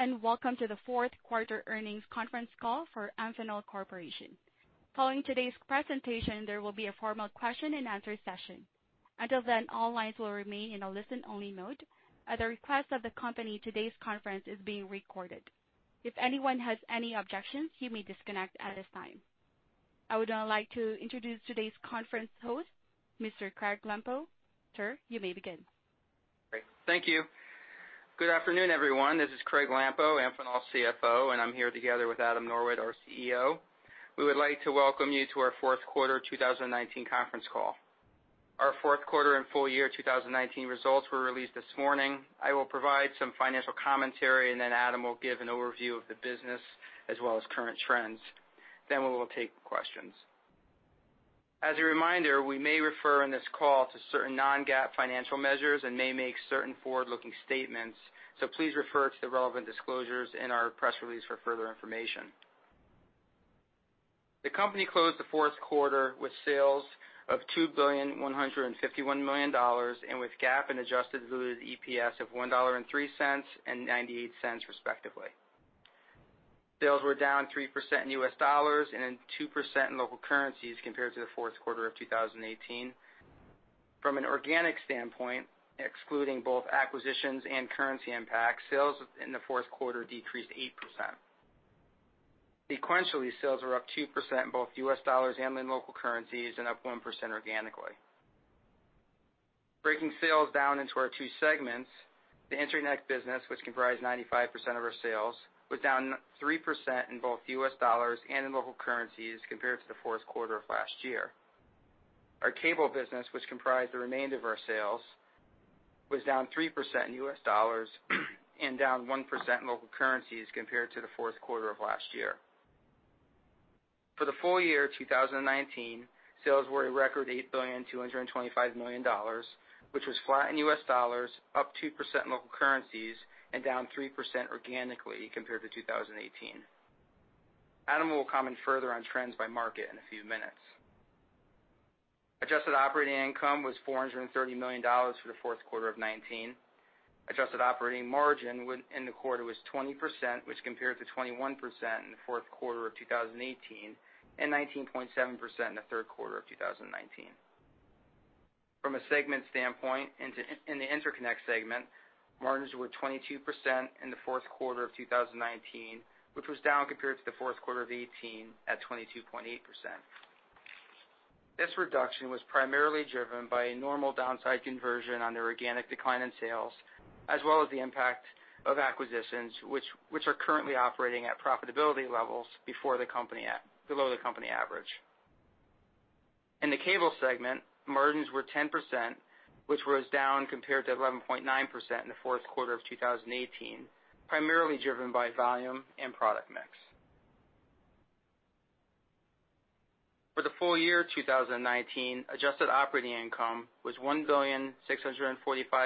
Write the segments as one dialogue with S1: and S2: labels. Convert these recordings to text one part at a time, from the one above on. S1: Hello, and welcome to the Q4 earnings conference call for Amphenol Corporation. Following today's presentation, there will be a formal question-and-answer session. Until then, all lines will remain in a listen-only mode. At the request of the company, today's conference is being recorded. If anyone has any objections, you may disconnect at this time. I would now like to introduce today's conference host, Mr. Craig Lampo. Sir, you may begin.
S2: Great. Thank you. Good afternoon, everyone. This is Craig Lampo, Amphenol's CFO, and I'm here together with Adam Norwitt, our CEO. We would like to welcome you to our Q4 2019 conference call. Our Q4 and full-year 2019 results were released this morning. I will provide some financial commentary, and then Adam will give an overview of the business as well as current trends. Then we will take questions. As a reminder, we may refer in this call to certain non-GAAP financial measures and may make certain forward-looking statements, so please refer to the relevant disclosures in our press release for further information. The company closed the Q4 with sales of $2.151 billion, and with GAAP and adjusted diluted EPS of $1.03 and $0.98, respectively. Sales were down 3% in U.S. dollars and 2% in local currencies compared to the Q4 of 2018. From an organic standpoint, excluding both acquisitions and currency impact, sales in the Q4 decreased 8%. Sequentially, sales were up 2% in both U.S. dollars and in local currencies, and up 1% organically. Breaking sales down into our two segments, the Interconnect business, which comprise 95% of our sales, was down 3% in both U.S. dollars and in local currencies compared to the Q4 of last year. Our Cable business, which comprised the remainder of our sales, was down 3% in U.S. dollars and down 1% in local currencies compared to the Q4 of last year. For the full-year 2019, sales were a record $8.225 billion, which was flat in U.S. dollars, up 2% in local currencies, and down 3% organically compared to 2018. Adam will comment further on trends by market in a few minutes. Adjusted operating income was $430 million for the Q4 of 2019. Adjusted operating margin in the quarter was 20%, which compared to 21% in the Q4 of 2018, and 19.7% in the Q3 of 2019. From a segment standpoint, in the Interconnect segment, margins were 22% in the Q4 of 2019, which was down compared to the Q4 of 2018 at 22.8%. This reduction was primarily driven by a normal downside conversion on the organic decline in sales, as well as the impact of acquisitions, which are currently operating at profitability levels before the company at below the company average. In the Cable segment, margins were 10%, which was down compared to 11.9% in the Q4 of 2018, primarily driven by volume and product mix. For the full-year 2019, adjusted operating income was $1.645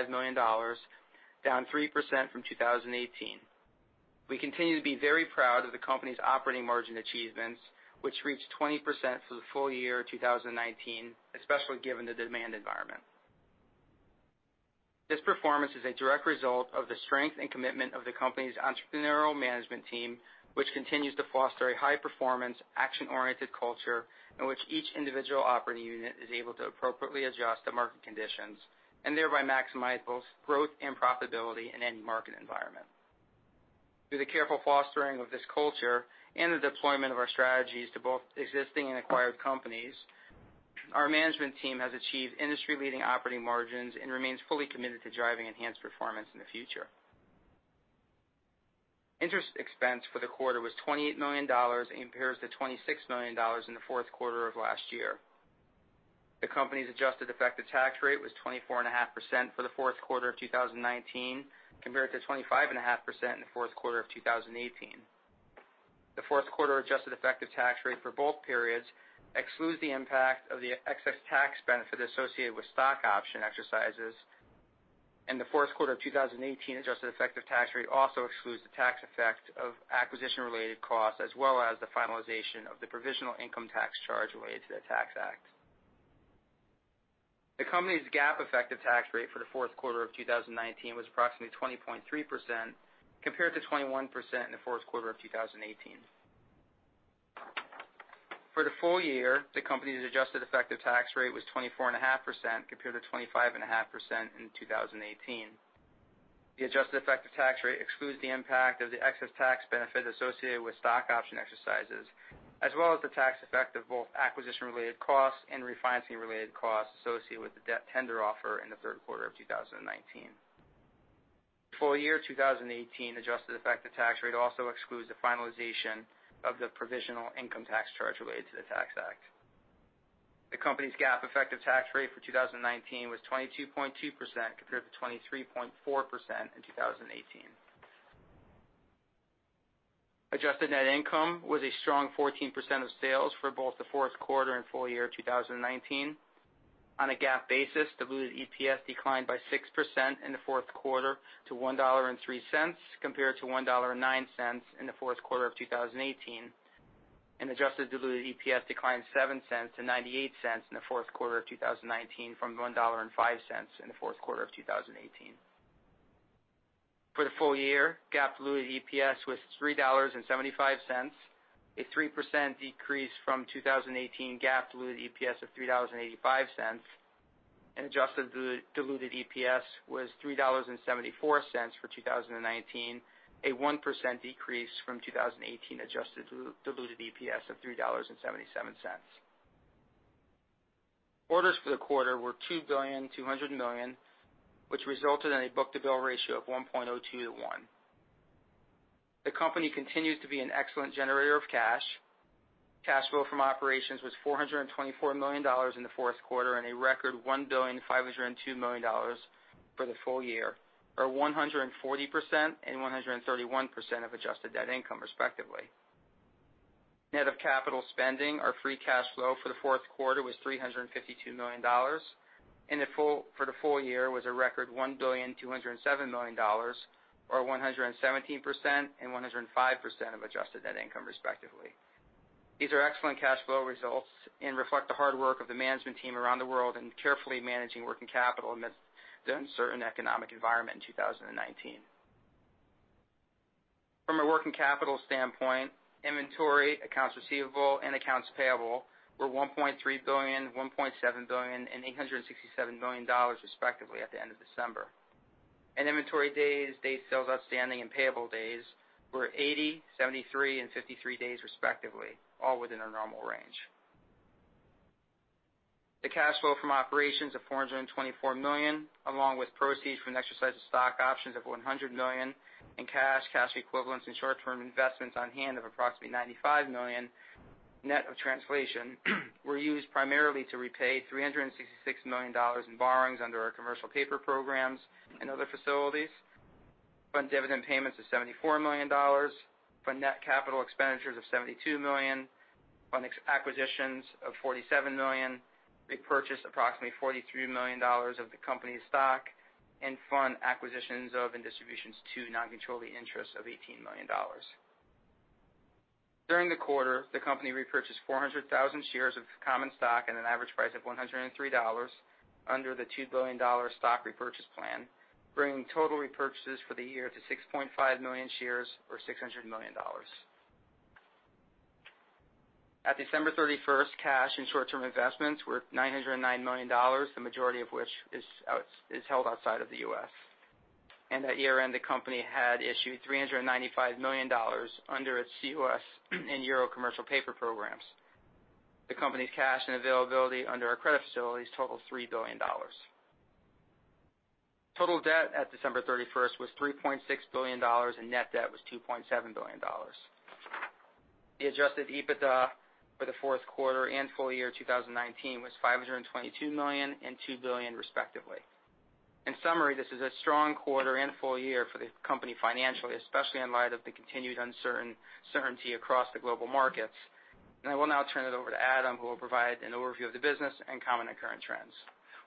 S2: billion, down 3% from 2018. We continue to be very proud of the company's operating margin achievements, which reached 20% for the full-year 2019, especially given the demand environment. This performance is a direct result of the strength and commitment of the company's entrepreneurial management team, which continues to foster a high-performance, action-oriented culture in which each individual operating unit is able to appropriately adjust to market conditions and thereby maximize both growth and profitability in any market environment. Through the careful fostering of this culture and the deployment of our strategies to both existing and acquired companies, our management team has achieved industry-leading operating margins and remains fully committed to driving enhanced performance in the future. Interest expense for the quarter was $28 million, compared to $26 million in the Q4 of last year. The company's adjusted effective tax rate was 24.5% for the Q4 of 2019, compared to 25.5% in the Q4 of 2018. The Q4 adjusted effective tax rate for both periods excludes the impact of the excess tax benefit associated with stock option exercises, and the Q4 of 2018, adjusted effective tax rate also excludes the tax effect of acquisition-related costs, as well as the finalization of the provisional income tax charge related to the Tax Act. The company's GAAP effective tax rate for the Q4 of 2019 was approximately 20.3%, compared to 21% in the Q4 of 2018. For the full year, the company's adjusted effective tax rate was 24.5%, compared to 25.5% in 2018. The adjusted effective tax rate excludes the impact of the excess tax benefit associated with stock option exercises, as well as the tax effect of both acquisition-related costs and refinancing-related costs associated with the debt tender offer in the Q3 of 2019. Full-year 2018, adjusted effective tax rate also excludes the finalization of the provisional income tax charge related to the Tax Act. The company's GAAP effective tax rate for 2019 was 22.2%, compared to 23.4% in 2018. Adjusted net income was a strong 14% of sales for both the Q4 and full-year 2019. On a GAAP basis, diluted EPS declined by 6% in the Q4 to $1.03, compared to $1.09 in the Q4 of 2018, and adjusted diluted EPS declined seven cents to $0.98 in the Q4 of 2019, from $1.05 in the Q4 of 2018. For the full-year, GAAP diluted EPS was $3.75, a 3% decrease from 2018 GAAP diluted EPS of $3.85, and adjusted diluted EPS was $3.74 for 2019, a 1% decrease from 2018 adjusted diluted EPS of $3.77. Orders for the quarter were $2.2 billion, which resulted in a book-to-bill ratio of 1.02 to 1. The company continues to be an excellent generator of cash. Cash flow from operations was $424 million in the Q4, and a record $1.502 billion for the full-year, or 140% and 131% of adjusted net income, respectively. Net of capital spending, our free cash flow for the Q4 was $352 million, and for the full-year was a record $1.207 billion, or 117% and 105% of adjusted net income, respectively. These are excellent cash flow results and reflect the hard work of the management team around the world in carefully managing working capital amidst the uncertain economic environment in 2019. From a working capital standpoint, inventory, accounts receivable, and accounts payable were $1.3 billion, $1.7 billion, and $867 million, respectively, at the end of December. Inventory days, day sales outstanding, and payable days were 80, 73, and 53 days, respectively, all within our normal range. The cash flow from operations of $424 million, along with proceeds from the exercise of stock options of $100 million, and cash, cash equivalents, and short-term investments on hand of approximately $95 million, net of translation, were used primarily to repay $366 million in borrowings under our commercial paper programs and other facilities, fund dividend payments of $74 million, fund net capital expenditures of $72 million, fund acquisitions of $47 million. We purchased approximately $43 million of the company's stock and fund acquisitions of, and distributions to non-controlled interests of $18 million. During the quarter, the company repurchased 400,000 shares of common stock at an average price of $103 under the $2 billion stock repurchase plan, bringing total repurchases for the year to 6.5 million shares or $600 million. At December 31, cash and short-term investments were $909 million, the majority of which is held outside of the U.S. At year-end, the company had issued $395 million under its CPs and Euro commercial paper programs. The company's cash and availability under our credit facilities total $3 billion. Total debt at December 31 was $3.6 billion, and net debt was $2.7 billion. The adjusted EBITDA for the Q4 and full-year 2019 was $522 million and $2 billion, respectively. In summary, this is a strong quarter and full year for the company financially, especially in light of the continued uncertainty across the global markets. I will now turn it over to Adam, who will provide an overview of the business and comment on current trends.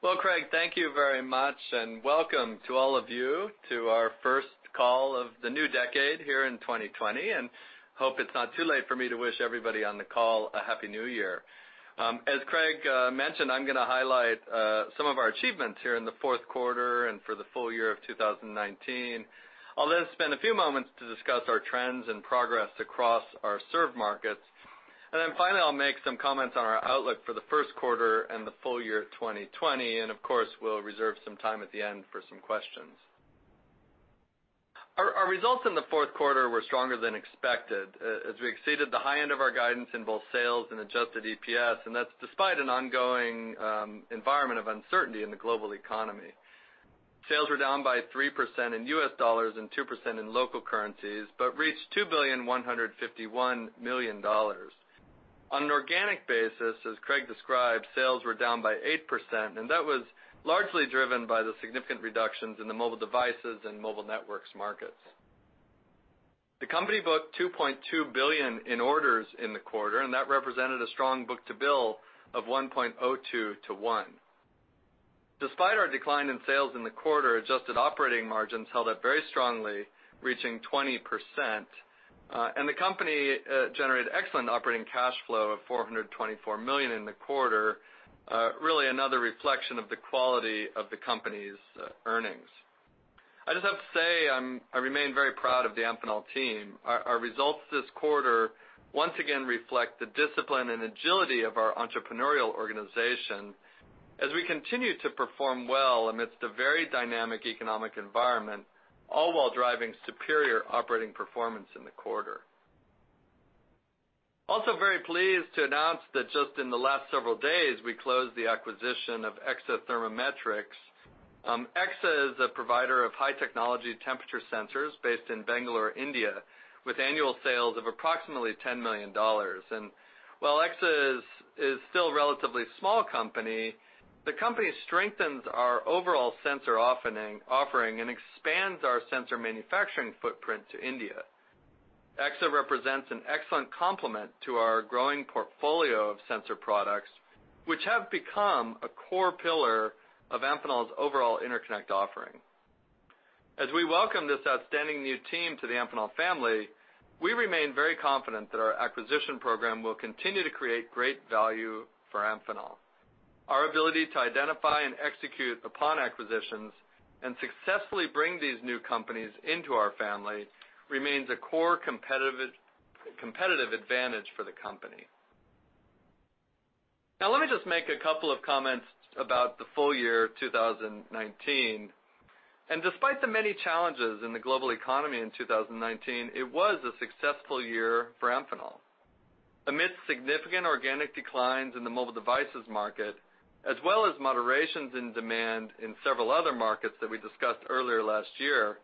S3: Well, Craig, thank you very much, and welcome to all of you to our first call of the new decade here in 2020, and hope it's not too late for me to wish everybody on the call a Happy New Year. As Craig mentioned, I'm gonna highlight some of our achievements here in the Q4 and for the full-year of 2019. I'll then spend a few moments to discuss our trends and progress across our served markets. And then finally, I'll make some comments on our outlook for the Q1 and the full year 2020, and of course, we'll reserve some time at the end for some questions. Our results in the Q4 were stronger than expected, as we exceeded the high end of our guidance in both sales and adjusted EPS, and that's despite an ongoing environment of uncertainty in the global economy. Sales were down by 3% in US dollars and 2% in local currencies, but reached $2.151 billion. On an organic basis, as Craig described, sales were down by 8%, and that was largely driven by the significant reductions in the mobile devices and mobile networks markets. The company booked $2.2 billion in orders in the quarter, and that represented a strong book-to-bill of 1.02 to 1. Despite our decline in sales in the quarter, adjusted operating margins held up very strongly, reaching 20%, and the company generated excellent operating cash flow of $424 million in the quarter, really another reflection of the quality of the company's earnings. I just have to say, I remain very proud of the Amphenol team. Our results this quarter once again reflect the discipline and agility of our entrepreneurial organization as we continue to perform well amidst a very dynamic economic environment, all while driving superior operating performance in the quarter. Also very pleased to announce that just in the last several days, we closed the acquisition of EXA Thermometrics. EXA is a provider of high-technology temperature sensors based in Bangalore, India, with annual sales of approximately $10 million. While EXA is still a relatively small company, the company strengthens our overall sensor offering and expands our sensor manufacturing footprint to India. EXA represents an excellent complement to our growing portfolio of sensor products, which have become a core pillar of Amphenol's overall Interconnect offering. As we welcome this outstanding new team to the Amphenol family, we remain very confident that our acquisition program will continue to create great value for Amphenol. Our ability to identify and execute upon acquisitions and successfully bring these new companies into our family remains a core competitive advantage for the company. Now, let me just make a couple of comments about the full-year 2019. Despite the many challenges in the global economy in 2019, it was a successful year for Amphenol. Amidst significant organic declines in the mobile devices market, as well as moderations in demand in several other markets that we discussed earlier last year,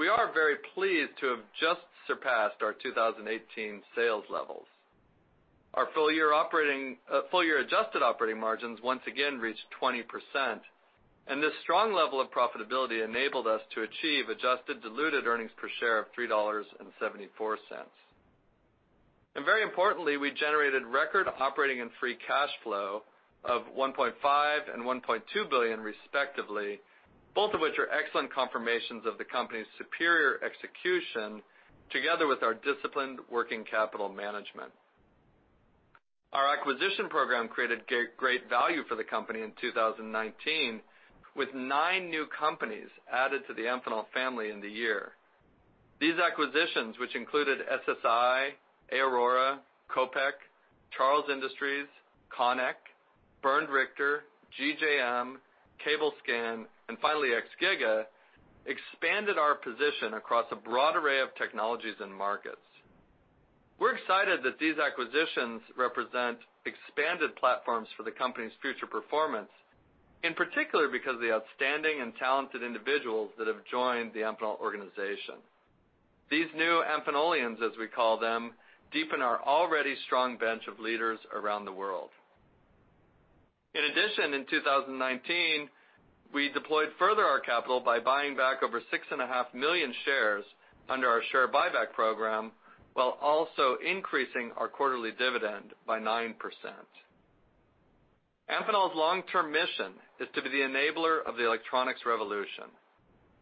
S3: we are very pleased to have just surpassed our 2018 sales levels. Our full year operating, full-year adjusted operating margins once again reached 20%, and this strong level of profitability enabled us to achieve adjusted diluted earnings per share of $3.74. And very importantly, we generated record operating and free cash flow of $1.5 billion and $1.2 billion, respectively, both of which are excellent confirmations of the company's superior execution, together with our disciplined working capital management. Our acquisition program created great value for the company in 2019, with nine new companies added to the Amphenol family in the year. These acquisitions, which included SSI, Aorora, Kopek, Charles Industries, CONEC, Bernd Richter, GJM, Cablescan, and finally, XGiga, expanded our position across a broad array of technologies and markets. We're excited that these acquisitions represent expanded platforms for the company's future performance, in particular, because of the outstanding and talented individuals that have joined the Amphenol organization. These new Amphenolians, as we call them, deepen our already strong bench of leaders around the world. In addition, in 2019, we deployed further our capital by buying back over 6.5 million shares under our share buyback program, while also increasing our quarterly dividend by 9%. Amphenol's long-term mission is to be the enabler of the electronics revolution.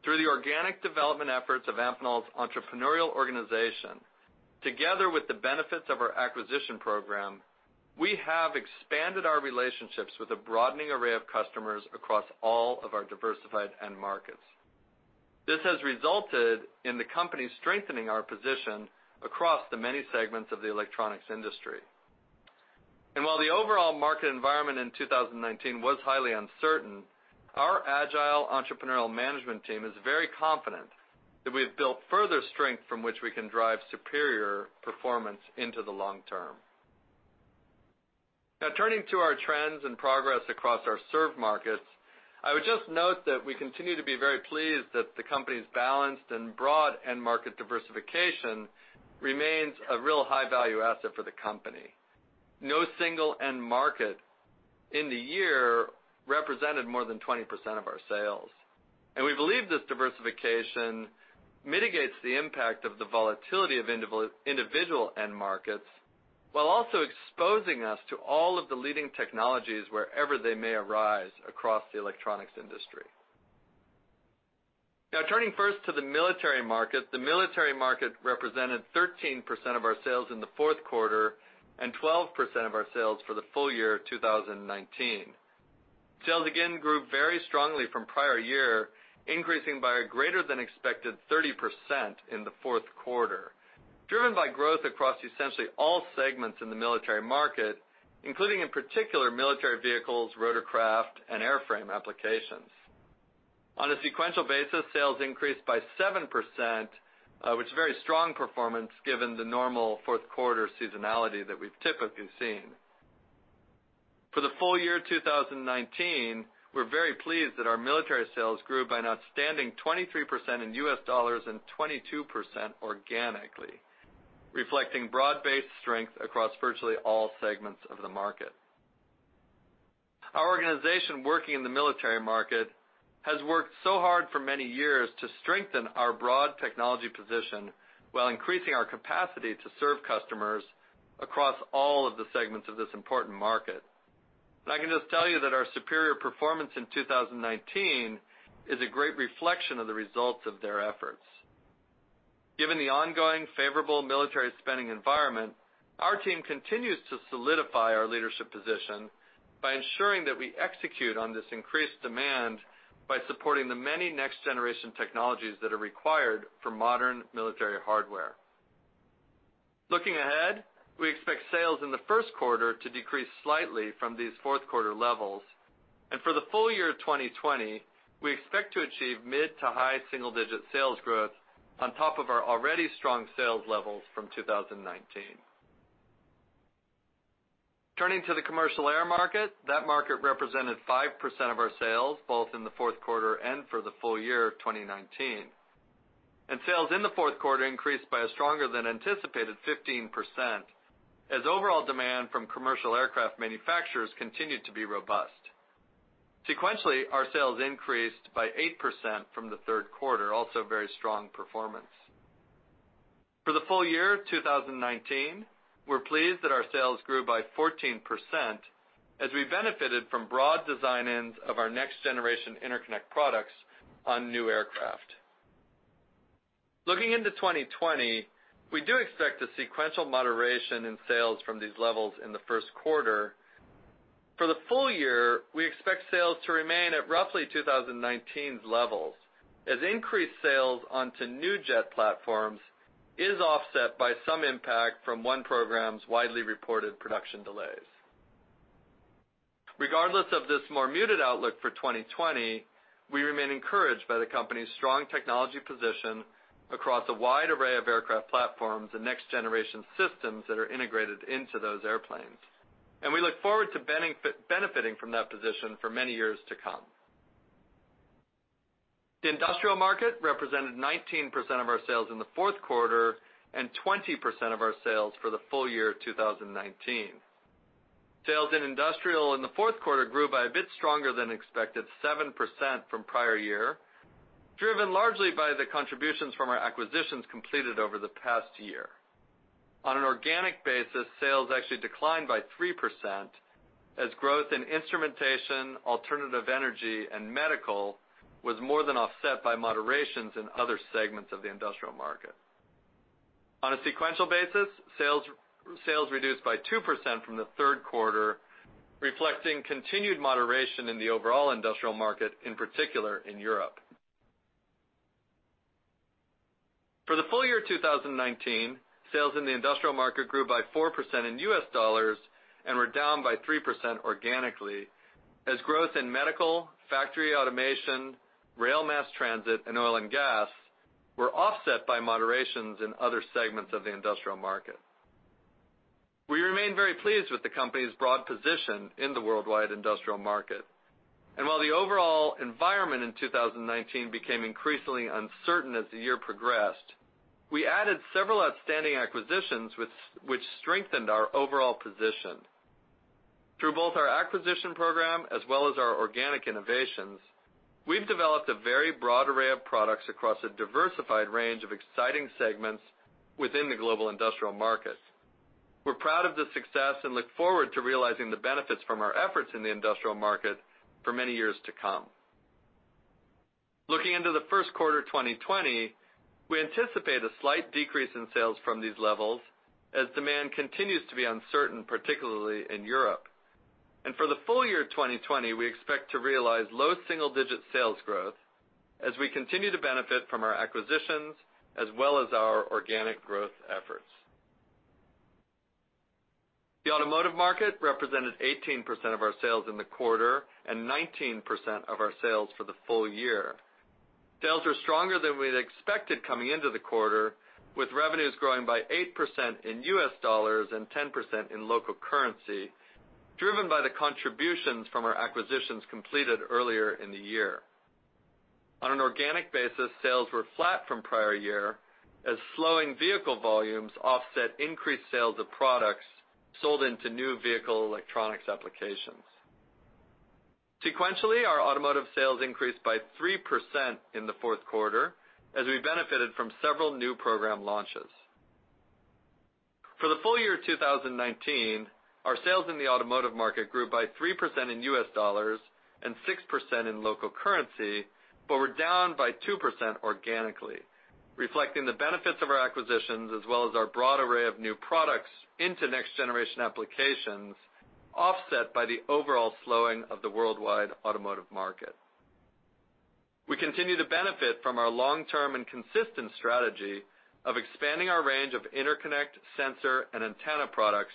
S3: Through the organic development efforts of Amphenol's entrepreneurial organization, together with the benefits of our acquisition program, we have expanded our relationships with a broadening array of customers across all of our diversified end markets. This has resulted in the company strengthening our position across the many segments of the electronics industry. While the overall market environment in 2019 was highly uncertain, our agile entrepreneurial management team is very confident that we have built further strength from which we can drive superior performance into the long term. Now, turning to our trends and progress across our served markets, I would just note that we continue to be very pleased that the company's balanced and broad end market diversification remains a real high-value asset for the company. No single end market in the year represented more than 20% of our sales, and we believe this diversification mitigates the impact of the volatility of individual end markets, while also exposing us to all of the leading technologies wherever they may arise across the electronics industry. Now, turning first to the military market, the military market represented 13% of our sales in the Q4 and 12% of our sales for the full-year 2019. Sales again grew very strongly from prior year, increasing by a greater than expected 30% in the Q4, driven by growth across essentially all segments in the military market, including, in particular, military vehicles, rotorcraft, and airframe applications. On a sequential basis, sales increased by 7%, which is a very strong performance given the normal Q4 seasonality that we've typically seen. For the full-year 2019, we're very pleased that our military sales grew by an outstanding 23% in U.S. dollars and 22% organically, reflecting broad-based strength across virtually all segments of the market. Our organization working in the military market has worked so hard for many years to strengthen our broad technology position while increasing our capacity to serve customers across all of the segments of this important market. I can just tell you that our superior performance in 2019 is a great reflection of the results of their efforts. Given the ongoing favorable military spending environment, our team continues to solidify our leadership position by ensuring that we execute on this increased demand by supporting the many next-generation technologies that are required for modern military hardware. Looking ahead, we expect sales in the Q1 to decrease slightly from these Q4 levels, and for the full year 2020, we expect to achieve mid- to high single-digit sales growth on top of our already strong sales levels from 2019. Turning to the commercial air market, that market represented 5% of our sales, both in the Q4 and for the full-year of 2019. Sales in the Q4 increased by a stronger than anticipated 15%, as overall demand from commercial aircraft manufacturers continued to be robust. Sequentially, our sales increased by 8% from the Q3, also a very strong performance. For the full-year 2019, we're pleased that our sales grew by 14% as we benefited from broad design-ins of our next generation interconnect products on new aircraft. Looking into 2020, we do expect a sequential moderation in sales from these levels in the Q1. For the full year, we expect sales to remain at roughly 2019's levels, as increased sales onto new jet platforms is offset by some impact from one program's widely reported production delays. Regardless of this more muted outlook for 2020, we remain encouraged by the company's strong technology position across a wide array of aircraft platforms and next-generation systems that are integrated into those airplanes, and we look forward to benefit, benefiting from that position for many years to come. The industrial market represented 19% of our sales in the Q4 and 20% of our sales for the full-year 2019. Sales in industrial in the Q4 grew a bit stronger than expected, 7% from prior year, driven largely by the contributions from our acquisitions completed over the past year. On an organic basis, sales actually declined by 3%, as growth in instrumentation, alternative energy, and medical was more than offset by moderations in other segments of the industrial market. On a sequential basis, sales reduced by 2% from the Q3, reflecting continued moderation in the overall industrial market, in particular, in Europe. For the full-year 2019, sales in the industrial market grew by 4% in U.S. dollars and were down by 3% organically, as growth in medical, factory automation, rail mass transit, and oil and gas were offset by moderations in other segments of the industrial market. We remain very pleased with the company's broad position in the worldwide industrial market. While the overall environment in 2019 became increasingly uncertain as the year progressed, we added several outstanding acquisitions, which strengthened our overall position. Through both our acquisition program as well as our organic innovations, we've developed a very broad array of products across a diversified range of exciting segments within the global industrial market. We're proud of this success and look forward to realizing the benefits from our efforts in the industrial market for many years to come. Looking into the Q1 of 2020, we anticipate a slight decrease in sales from these levels as demand continues to be uncertain, particularly in Europe. For the full-year 2020, we expect to realize low single-digit sales growth as we continue to benefit from our acquisitions, as well as our organic growth efforts. The automotive market represented 18% of our sales in the quarter and 19% of our sales for the full-year. Sales were stronger than we had expected coming into the quarter, with revenues growing by 8% in U.S. dollars and 10% in local currency, driven by the contributions from our acquisitions completed earlier in the year. On an organic basis, sales were flat from prior year, as slowing vehicle volumes offset increased sales of products sold into new vehicle electronics applications. Sequentially, our automotive sales increased by 3% in the Q4 as we benefited from several new program launches. For the full-year 2019, our sales in the automotive market grew by 3% in U.S. dollars and 6% in local currency, but were down by 2% organically, reflecting the benefits of our acquisitions, as well as our broad array of new products into next-generation applications, offset by the overall slowing of the worldwide automotive market. We continue to benefit from our long-term and consistent strategy of expanding our range of interconnect, sensor, and antenna products,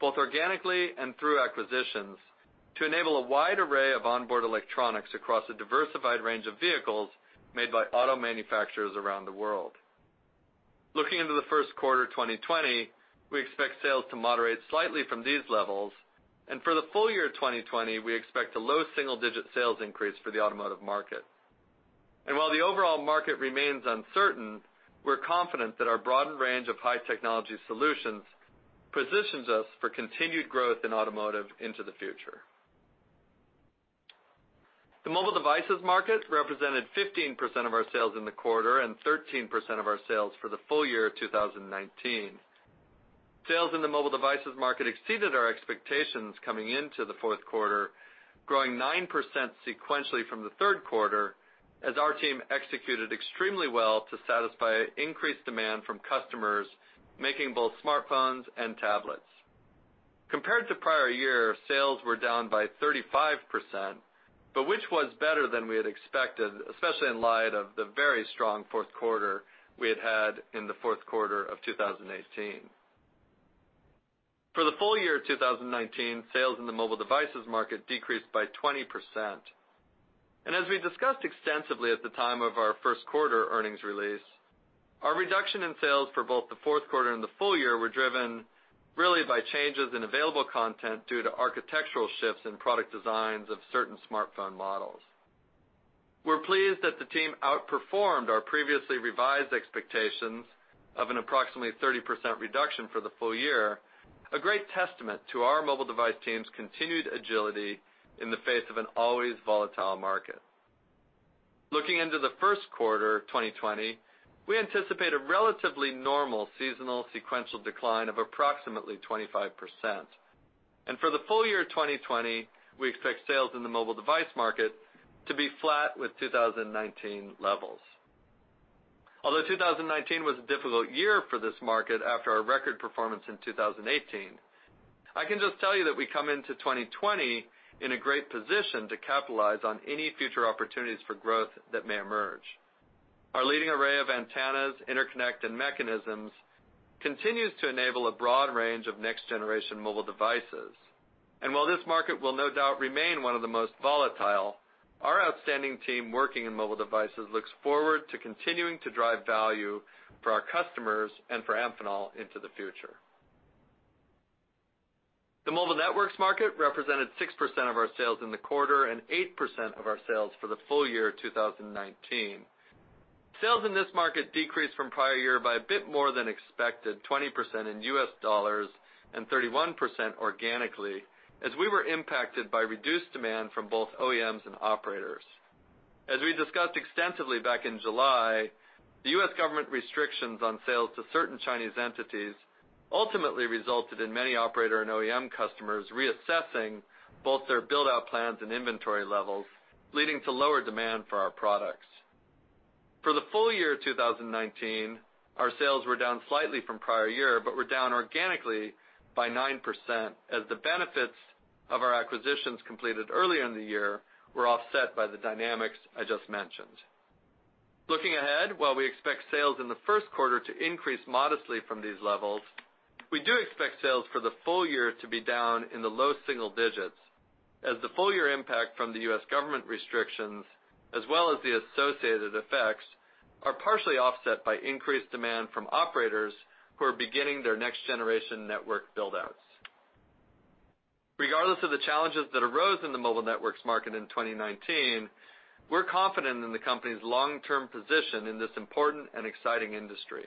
S3: both organically and through acquisitions, to enable a wide array of onboard electronics across a diversified range of vehicles made by auto manufacturers around the world. Looking into the Q1 of 2020, we expect sales to moderate slightly from these levels, and for the full-year 2020, we expect a low single-digit sales increase for the automotive market. And while the overall market remains uncertain, we're confident that our broadened range of high-technology solutions positions us for continued growth in automotive into the future. The mobile devices market represented 15% of our sales in the quarter and 13% of our sales for the full-year of 2019. Sales in the mobile devices market exceeded our expectations coming into the Q4, growing 9% sequentially from the Q3, as our team executed extremely well to satisfy increased demand from customers making both smartphones and tablets. Compared to prior year, sales were down by 35%, but which was better than we had expected, especially in light of the very strong Q4 we had had in the Q4 of 2018. For the full-year 2019, sales in the mobile devices market decreased by 20%. As we discussed extensively at the time of our Q1 earnings release, our reduction in sales for both the Q4 and the full year were driven really by changes in available content due to architectural shifts in product designs of certain smartphone models. We're pleased that the team outperformed our previously revised expectations of an approximately 30% reduction for the full year, a great testament to our mobile device team's continued agility in the face of an always volatile market. Looking into the Q1 of 2020, we anticipate a relatively normal seasonal sequential decline of approximately 25%. For the full-year of 2020, we expect sales in the mobile device market to be flat with 2019 levels. Although 2019 was a difficult year for this market after our record performance in 2018, I can just tell you that we come into 2020 in a great position to capitalize on any future opportunities for growth that may emerge. Our leading array of antennas, interconnect, and mechanisms continues to enable a broad range of next-generation mobile devices. And while this market will no doubt remain one of the most volatile, our outstanding team working in mobile devices looks forward to continuing to drive value for our customers and for Amphenol into the future. The mobile networks market represented 6% of our sales in the quarter and 8% of our sales for the full-year of 2019. Sales in this market decreased from prior year by a bit more than expected, 20% in U.S. dollars and 31% organically, as we were impacted by reduced demand from both OEMs and operators. As we discussed extensively back in July, the U.S. government restrictions on sales to certain Chinese entities ultimately resulted in many operator and OEM customers reassessing both their build-out plans and inventory levels, leading to lower demand for our products. For the full-year of 2019, our sales were down slightly from prior year, but were down organically by 9%, as the benefits of our acquisitions completed earlier in the year were offset by the dynamics I just mentioned. Looking ahead, while we expect sales in the Q1 to increase modestly from these levels, we do expect sales for the full year to be down in the low single digits, as the full year impact from the U.S. government restrictions, as well as the associated effects, are partially offset by increased demand from operators who are beginning their next-generation network build-outs. Regardless of the challenges that arose in the mobile networks market in 2019, we're confident in the company's long-term position in this important and exciting industry.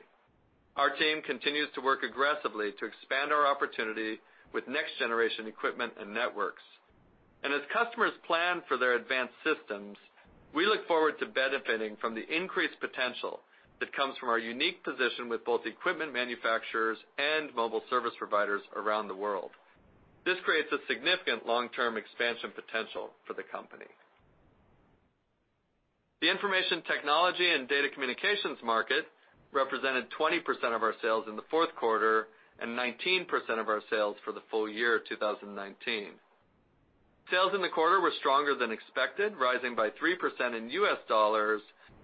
S3: Our team continues to work aggressively to expand our opportunity with next-generation equipment and networks. And as customers plan for their advanced systems, we look forward to benefiting from the increased potential that comes from our unique position with both equipment manufacturers and mobile service providers around the world. This creates a significant long-term expansion potential for the company. The information technology and data communications market represented 20% of our sales in the Q4 and 19% of our sales for the full-year of 2019. Sales in the quarter were stronger than expected, rising by 3% in U.S. dollars,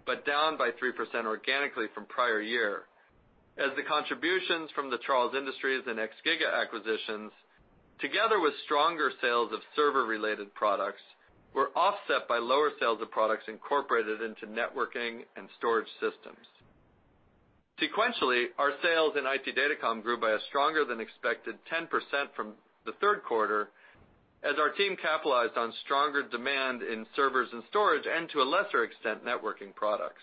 S3: but down by 3% organically from prior year, as the contributions from the Charles Industries and XGiga acquisitions, together with stronger sales of server-related products, were offset by lower sales of products incorporated into networking and storage systems. Sequentially, our sales in IT Datacom grew by a stronger than expected 10% from the Q3, as our team capitalized on stronger demand in servers and storage, and to a lesser extent, networking products.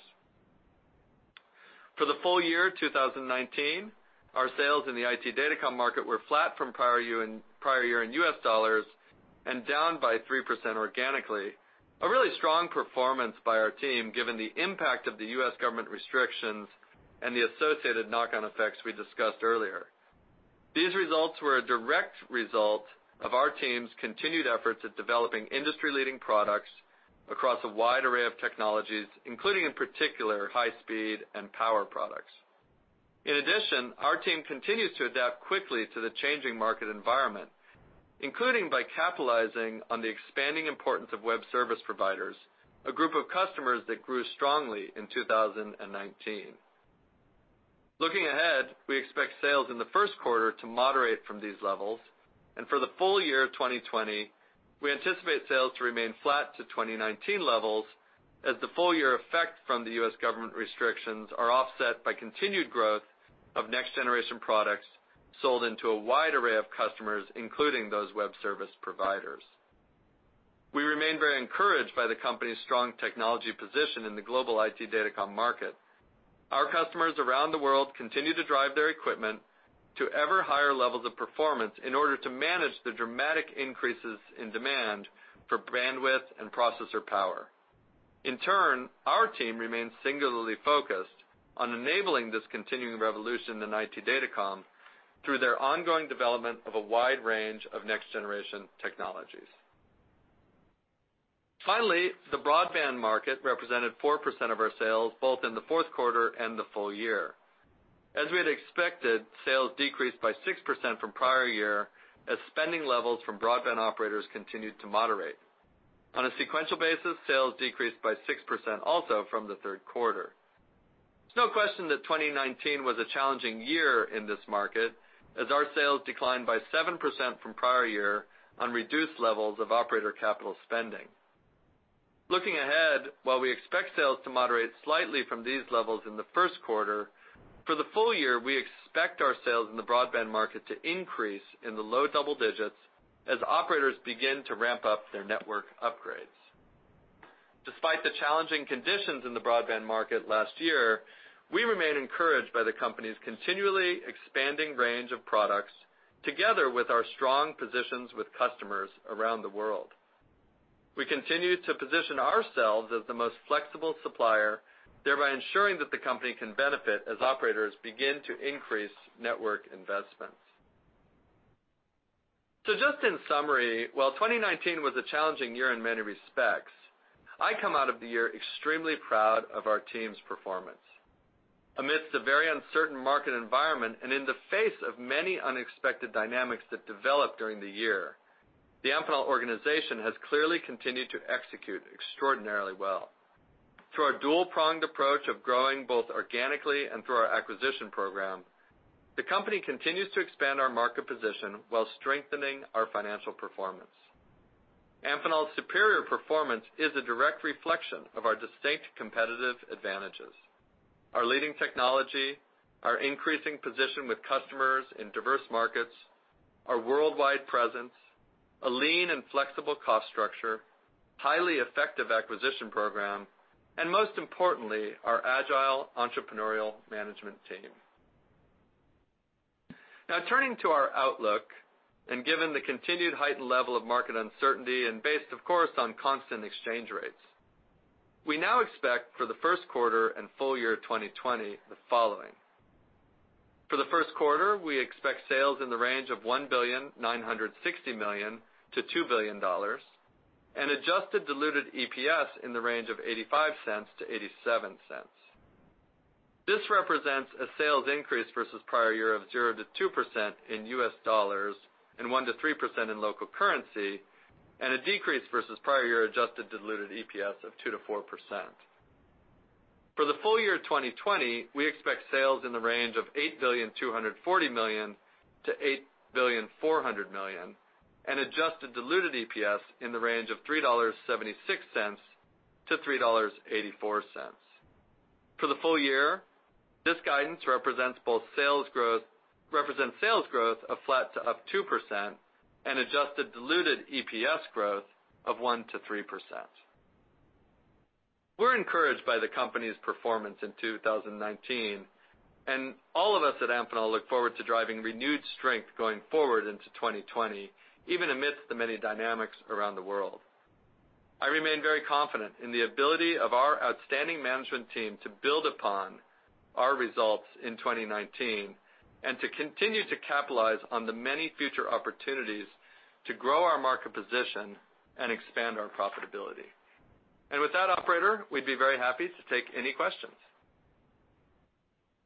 S3: For the full-year of 2019, our sales in the IT Datacom market were flat from prior year, in prior year in U.S. dollars and down by 3% organically. A really strong performance by our team, given the impact of the US government restrictions and the associated knock-on effects we discussed earlier. These results were a direct result of our team's continued efforts at developing industry-leading products across a wide array of technologies, including, in particular, high speed and power products. In addition, our team continues to adapt quickly to the changing market environment, including by capitalizing on the expanding importance of web service providers, a group of customers that grew strongly in 2019. Looking ahead, we expect sales in the Q1 to moderate from these levels, and for the full-year of 2020, we anticipate sales to remain flat to 2019 levels as the full year effect from the U.S. government restrictions are offset by continued growth of next-generation products sold into a wide array of customers, including those web service providers. We remain very encouraged by the company's strong technology position in the global IT Datacom market. Our customers around the world continue to drive their equipment to ever higher levels of performance in order to manage the dramatic increases in demand for bandwidth and processor power. In turn, our team remains singularly focused on enabling this continuing revolution in IT Datacom through their ongoing development of a wide range of next-generation technologies. Finally, the broadband market represented 4% of our sales, both in the Q4 and the full year. As we had expected, sales decreased by 6% from prior year, as spending levels from broadband operators continued to moderate. On a sequential basis, sales decreased by 6% also from the Q3. There's no question that 2019 was a challenging year in this market, as our sales declined by 7% from prior year on reduced levels of operator capital spending. Looking ahead, while we expect sales to moderate slightly from these levels in the Q1, for the full year, we expect our sales in the broadband market to increase in the low double-digits as operators begin to ramp up their network upgrades. Despite the challenging conditions in the broadband market last year, we remain encouraged by the company's continually expanding range of products. Together with our strong positions with customers around the world. We continue to position ourselves as the most flexible supplier, thereby ensuring that the company can benefit as operators begin to increase network investments. So just in summary, while 2019 was a challenging year in many respects, I come out of the year extremely proud of our team's performance. Amidst a very uncertain market environment, and in the face of many unexpected dynamics that developed during the year, the Amphenol organization has clearly continued to execute extraordinarily well. Through our dual-pronged approach of growing both organically and through our acquisition program, the company continues to expand our market position while strengthening our financial performance. Amphenol's superior performance is a direct reflection of our distinct competitive advantages, our leading technology, our increasing position with customers in diverse markets, our worldwide presence, a lean and flexible cost structure, highly effective acquisition program, and most importantly, our agile entrepreneurial management team. Now, turning to our outlook, and given the continued heightened level of market uncertainty and based, of course, on constant exchange rates, we now expect for the Q1 and full-year 2020, the following: For the Q1, we expect sales in the range of $1.96 billion-$2 billion, and adjusted diluted EPS in the range of $0.85-$0.87. This represents a sales increase versus prior year of 0%-2% in U.S. dollars and 1%-3% in local currency, and a decrease versus prior year adjusted diluted EPS of 2%-4%. For the full-year 2020, we expect sales in the range of $8.24 billion-$8.4 billion, and adjusted diluted EPS in the range of $3.76-$3.84. For the full year, this guidance represents sales growth of flat to up 2% and adjusted diluted EPS growth of 1%-3%. We're encouraged by the company's performance in 2019, and all of us at Amphenol look forward to driving renewed strength going forward into 2020, even amidst the many dynamics around the world. I remain very confident in the ability of our outstanding management team to build upon our results in 2019 and to continue to capitalize on the many future opportunities to grow our market position and expand our profitability. With that, operator, we'd be very happy to take any questions.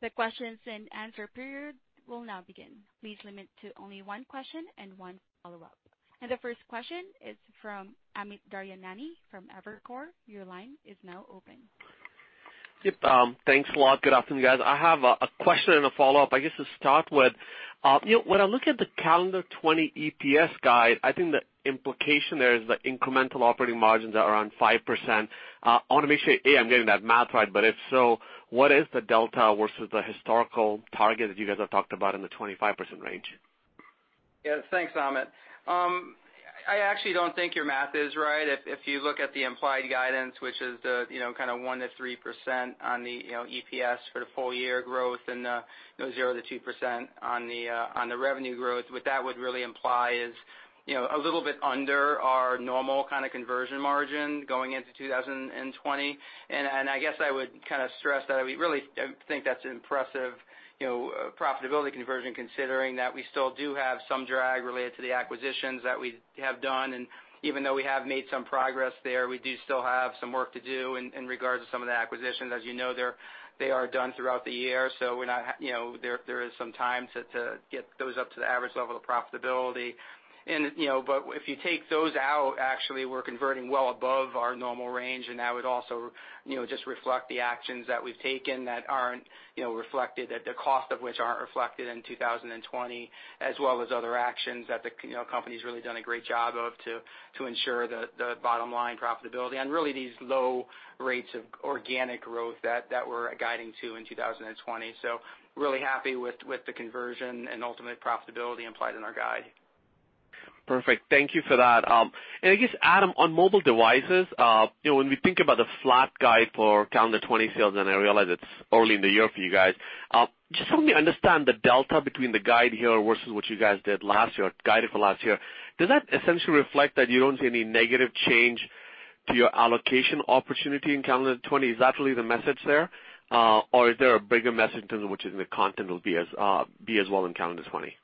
S1: The question-and-answer period will now begin. Please limit to only one question and one follow-up. The first question is from Amit Daryanani from Evercore. Your line is now open.
S4: Yep, thanks a lot. Good afternoon, guys. I have a question and a follow-up. I guess to start with, you know, when I look at the calendar 2020 EPS guide, I think the implication there is the incremental operating margins are around 5%. I want to make sure, A, I'm getting that math right, but if so, what is the delta versus the historical target that you guys have talked about in the 25% range?
S2: Yeah, thanks, Amit. I actually don't think your math is right. If you look at the implied guidance, which is the, you know, kind of 1%-3% on the, you know, EPS for the full year growth and, you know, 0%-2% on the on the revenue growth, what that would really imply is, you know, a little bit under our normal kind of conversion margin going into 2020. And I guess I would kind of stress that we really, I think that's an impressive, you know, profitability conversion, considering that we still do have some drag related to the acquisitions that we have done. And even though we have made some progress there, we do still have some work to do in regards to some of the acquisitions. As you know, they are done throughout the year, so we're not, you know, there is some time to get those up to the average level of profitability. And, you know, but if you take those out, actually, we're converting well above our normal range, and that would also, you know, just reflect the actions that we've taken that aren't, you know, reflected, that the cost of which aren't reflected in 2020, as well as other actions that the, you know, company's really done a great job of to ensure the bottom line profitability, and really, these low rates of organic growth that we're guiding to in 2020. So really happy with the conversion and ultimate profitability implied in our guide.
S4: Perfect. Thank you for that. And I guess, Adam, on mobile devices, you know, when we think about the flat guide for calendar 2020 sales, and I realize it's early in the year for you guys, just help me understand the delta between the guide here versus what you guys did last year, guided for last year. Does that essentially reflect that you don't see any negative change to your allocation opportunity in calendar 2020? Is that really the message there, or is there a bigger message in terms of which is the content will be as, be as well in calendar 2020?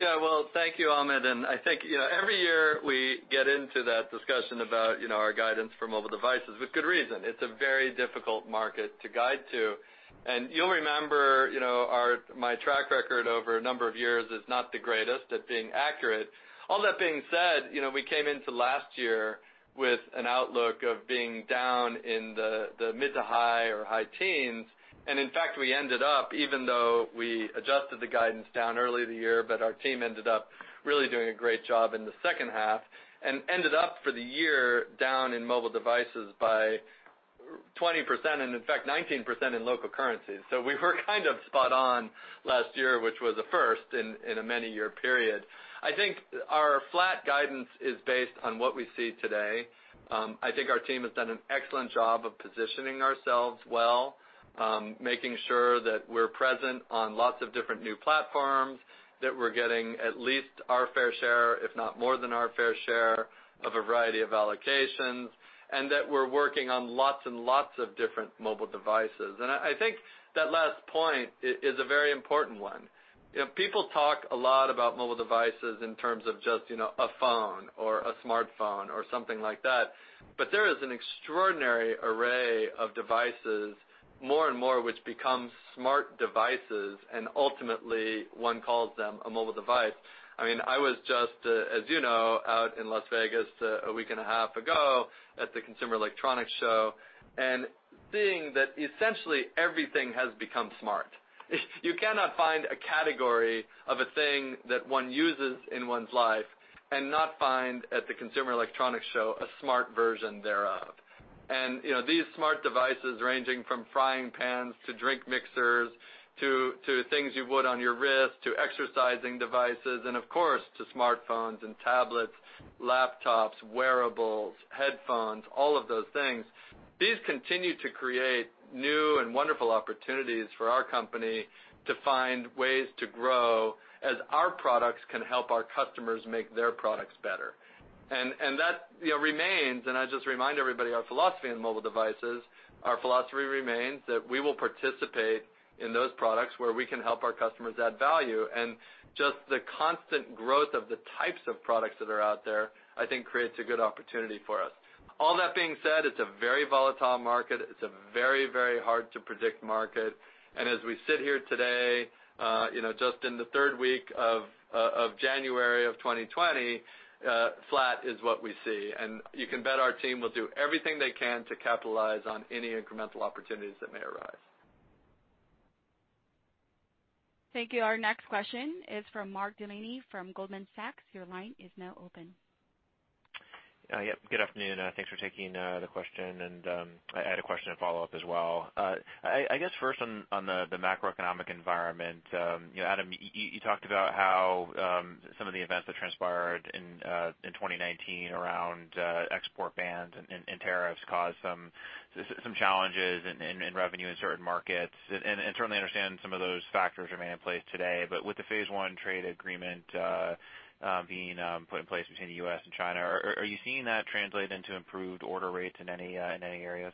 S3: Yeah. Well, thank you, Amit, and I think, you know, every year we get into that discussion about, you know, our guidance for mobile devices with good reason. It's a very difficult market to guide to. And you'll remember, you know, our, my track record over a number of years is not the greatest at being accurate. All that being said, you know, we came into last year with an outlook of being down in the mid- to high-teens or high-teens. And in fact, we ended up, even though we adjusted the guidance down early in the year, but our team ended up really doing a great job in the second half and ended up for the year down in mobile devices by 20%, and in fact, 19% in local currency. So we were kind of spot on last year, which was a first in a many-year period. I think our flat guidance is based on what we see today. I think our team has done an excellent job of positioning ourselves well, making sure that we're present on lots of different new platforms, that we're getting at least our fair share, if not more than our fair share, of a variety of allocations, and that we're working on lots and lots of different mobile devices. I, I think that last point is a very important one. You know, people talk a lot about mobile devices in terms of just, you know, a phone or a smartphone or something like that. But there is an extraordinary array of devices, more and more, which become smart devices, and ultimately, one calls them a mobile device. I mean, I was just, as you know, out in Las Vegas a week and a half ago at the Consumer Electronics Show, and seeing that essentially everything has become smart. You cannot find a category of a thing that one uses in one's life and not find, at the Consumer Electronics Show, a smart version thereof. And, you know, these smart devices ranging from frying pans to drink mixers, to things you would on your wrist, to exercising devices, and of course, to smartphones and tablets, laptops, wearables, headphones, all of those things, these continue to create new and wonderful opportunities for our company to find ways to grow as our products can help our customers make their products better. And that, you know, remains, and I just remind everybody, our philosophy in mobile devices, our philosophy remains that we will participate in those products where we can help our customers add value. And just the constant growth of the types of products that are out there, I think creates a good opportunity for us. All that being said, it's a very volatile market. It's a very, very hard to predict market. And as we sit here today, you know, just in the third week of January of 2020, flat is what we see. And you can bet our team will do everything they can to capitalize on any incremental opportunities that may arise.
S1: Thank you. Our next question is from Mark Delaney from Goldman Sachs. Your line is now open.
S5: Yep, good afternoon, thanks for taking the question, and I had a question to follow up as well. I guess, first on the macroeconomic environment, you know, Adam, you talked about how some of the events that transpired in 2019 around export bans and tariffs caused some challenges in revenue in certain markets. And certainly understand some of those factors remain in place today. But with the Phase One trade agreement being put in place between the U.S. and China, are you seeing that translate into improved order rates in any areas?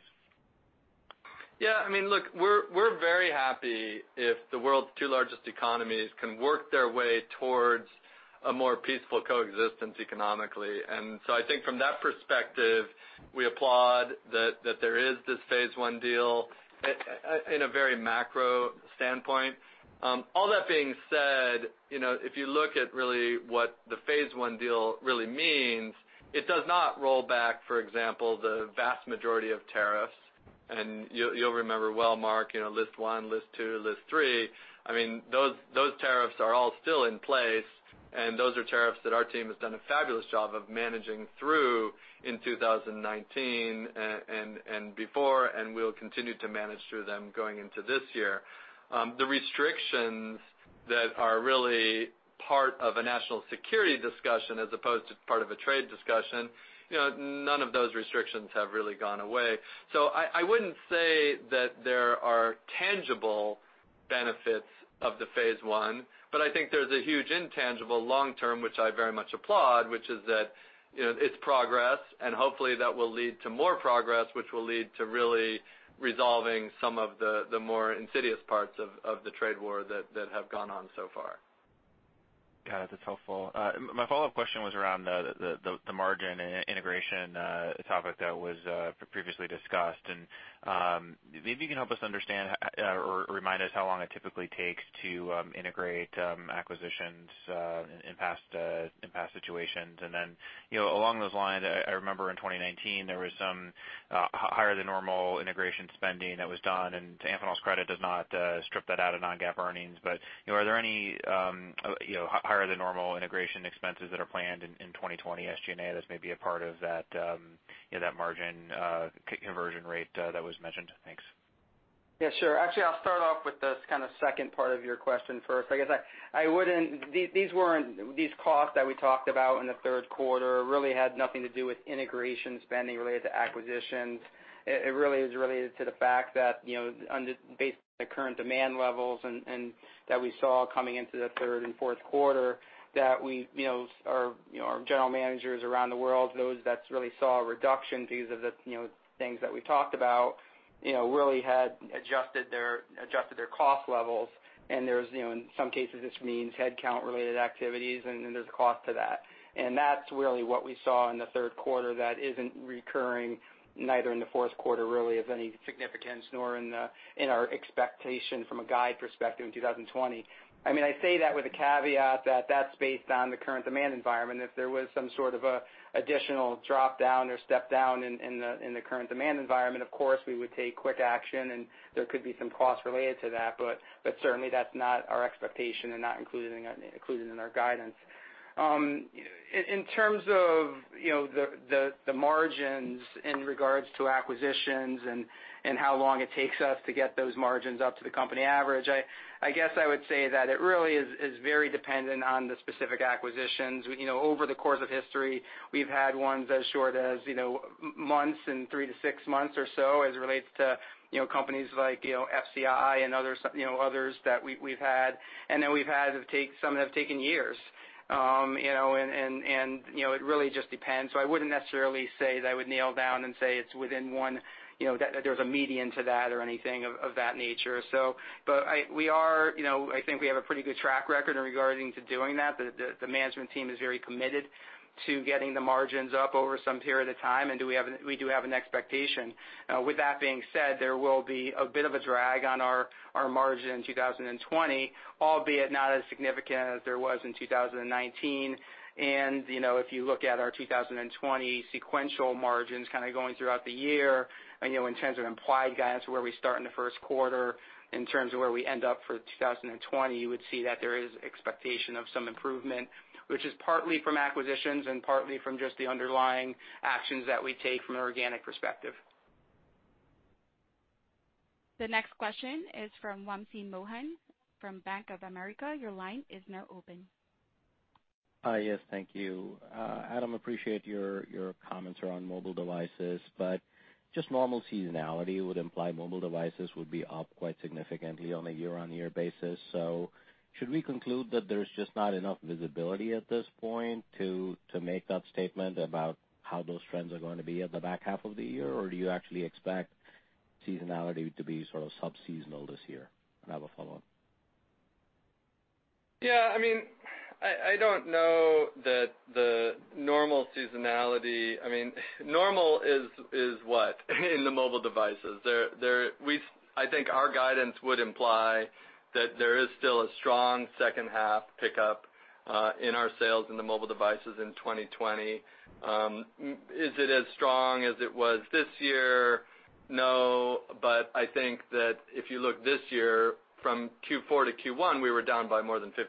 S3: Yeah, I mean, look, we're very happy if the world's two largest economies can work their way towards a more peaceful coexistence economically. So I think from that perspective, we applaud that there is this Phase One deal in a very macro standpoint. All that being said, you know, if you look at really what the Phase One deal really means, it does not roll back, for example, the vast majority of tariffs. And you'll remember well, Mark, you know, List 1, List 2, List 3. I mean, those tariffs are all still in place, and those are tariffs that our team has done a fabulous job of managing through in 2019 and before, and we'll continue to manage through them going into this year. The restrictions that are really part of a national security discussion, as opposed to part of a trade discussion, you know, none of those restrictions have really gone away. So I wouldn't say that there are tangible benefits of the phase one, but I think there's a huge intangible long term, which I very much applaud, which is that, you know, it's progress, and hopefully, that will lead to more progress, which will lead to really resolving some of the more insidious parts of the trade war that have gone on so far.
S5: Got it. That's helpful. My follow-up question was around the margin and integration topic that was previously discussed. And maybe you can help us understand or remind us how long it typically takes to integrate acquisitions in past situations. And then, you know, along those lines, I remember in 2019, there was some higher than normal integration spending that was done. And to Amphenol's credit, does not strip that out of non-GAAP earnings. But, you know, are there any higher than normal integration expenses that are planned in 2020 SG&A that may be a part of that margin conversion rate that was mentioned? Thanks.
S2: Yeah, sure. Actually, I'll start off with the kind of second part of your question first. I guess I wouldn't. These weren't. These costs that we talked about in the Q3 really had nothing to do with integration spending related to acquisitions. It really is related to the fact that, you know, based on the current demand levels and that we saw coming into the third and Q4, that we, you know, our general managers around the world, those that really saw a reduction due to the, you know, things that we talked about, you know, really had adjusted their cost levels. And there's, you know, in some cases, this means headcount-related activities, and then there's a cost to that. And that's really what we saw in the Q3 that isn't recurring, neither in the Q4, really, of any significance, nor in our expectation from a guide perspective in 2020. I mean, I say that with the caveat that that's based on the current demand environment. If there was some sort of a additional drop down or step down in the current demand environment, of course, we would take quick action, and there could be some costs related to that. But certainly, that's not our expectation and not included in our guidance. In terms of, you know, the margins in regards to acquisitions and how long it takes us to get those margins up to the company average, I guess I would say that it really is very dependent on the specific acquisitions. You know, over the course of history, we've had ones as short as, you know, months and three to six months or so, as it relates to, you know, companies like, you know, FCI and others, you know, others that we've had. And then we've had it take some have taken years. You know, and you know, it really just depends. So I wouldn't necessarily say that I would nail down and say it's within one, you know, that there's a median to that or anything of that nature. So but we are, you know, I think we have a pretty good track record in regarding to doing that. The management team is very committed to getting the margins up over some period of time, and we do have an expectation. With that being said, there will be a bit of a drag on our, our margin in 2020, albeit not as significant as there was in 2019. You know, if you look at our 2020 sequential margins kind of going throughout the year, and, you know, in terms of implied guidance, where we start in the Q1, in terms of where we end up for 2020, you would see that there is expectation of some improvement, which is partly from acquisitions and partly from just the underlying actions that we take from an organic perspective.
S1: The next question is from Wamsi Mohan from Bank of America. Your line is now open.
S6: Hi, yes, thank you. Adam, appreciate your comments around mobile devices, but just normal seasonality would imply mobile devices would be up quite significantly on a year-on-year basis. So should we conclude that there's just not enough visibility at this point to make that statement about how those trends are going to be at the back half of the year? Or do you actually expect seasonality to be sort of sub-seasonal this year? And I have a follow-up.
S3: Yeah, I mean, I don't know that the normal seasonality—I mean, normal is what in the mobile devices? I think our guidance would imply that there is still a strong second half pickup in our sales in the mobile devices in 2020. Is it as strong as it was this year? No, but I think that if you look this year from Q4 to Q1, we were down by more than 50%.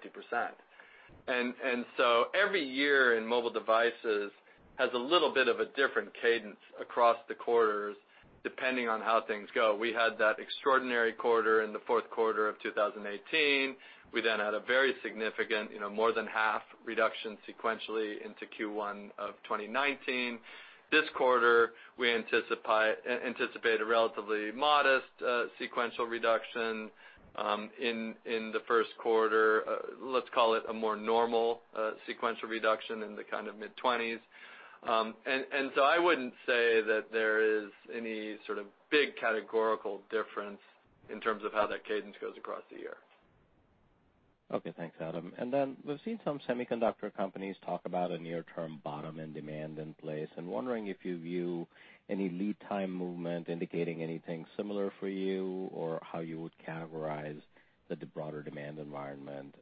S3: And so every year in mobile devices has a little bit of a different cadence across the quarters, depending on how things go. We had that extraordinary quarter in the Q4 of 2018. We then had a very significant, you know, more than half reduction sequentially into Q1 of 2019. This quarter, we anticipate a relatively modest sequential reduction in the Q1. Let's call it a more normal sequential reduction in the kind of mid-twenties. And so I wouldn't say that there is any sort of big categorical difference in terms of how that cadence goes across the year.
S6: Okay, thanks, Adam. And then we've seen some semiconductor companies talk about a near-term bottom in demand in place. I'm wondering if you view any lead time movement indicating anything similar for you, or how you would categorize the broader demand environment,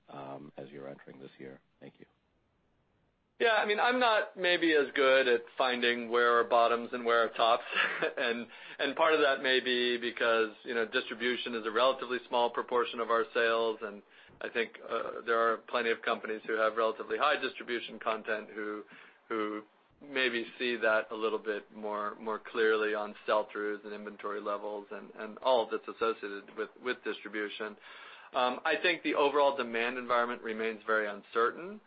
S6: as you're entering this year? Thank you.
S3: Yeah, I mean, I'm not maybe as good at finding where are bottoms and where are tops. And, and part of that may be because, you know, distribution is a relatively small proportion of our sales, and I think, there are plenty of companies who have relatively high distribution content who, who maybe see that a little bit more, more clearly on sell-throughs and inventory levels and, and all that's associated with, with distribution. I think the overall demand environment remains very uncertain.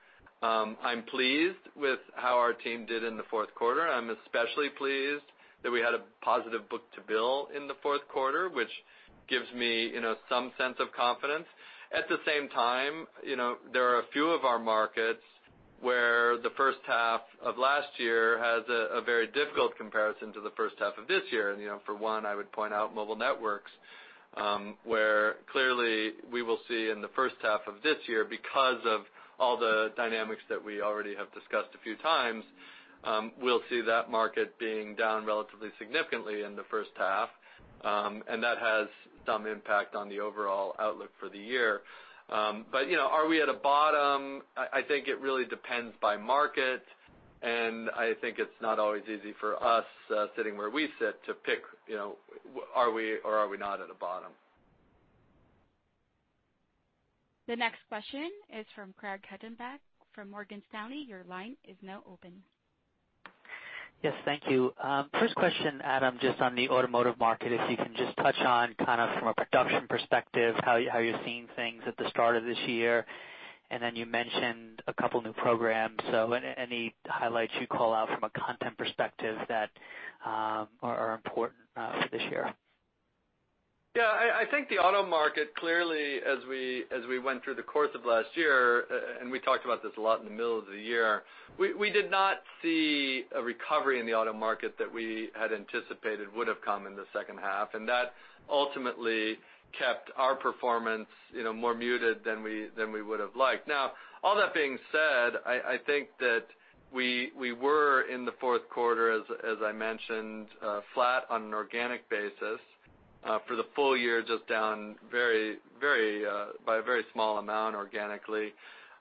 S3: I'm pleased with how our team did in the Q4. I'm especially pleased that we had a positive book-to-bill in the Q4, which gives me, you know, some sense of confidence. At the same time, you know, there are a few of our markets where the first half of last year has a very difficult comparison to the first half of this year. And, you know, for one, I would point out mobile networks, where clearly we will see in the first half of this year, because of all the dynamics that we already have discussed a few times, we'll see that market being down relatively significantly in the first half, and that has some impact on the overall outlook for the year. But, you know, are we at a bottom? I think it really depends by market, and I think it's not always easy for us, sitting where we sit to pick, you know, are we or are we not at a bottom.
S1: The next question is from Craig Hettenbach from Morgan Stanley. Your line is now open.
S7: Yes, thank you. First question, Adam, just on the automotive market, if you can just touch on kind of from a production perspective, how you're seeing things at the start of this year. And then you mentioned a couple new programs, so any highlights you call out from a content perspective that are important for this year?
S3: Yeah, I think the auto market, clearly, as we went through the course of last year, and we talked about this a lot in the middle of the year, we did not see a recovery in the auto market that we had anticipated would have come in the second half, and that ultimately kept our performance, you know, more muted than we would have liked. Now, all that being said, I think that we were in the Q4 as I mentioned, flat on an organic basis, for the full year, just down very, very, by a very small amount organically.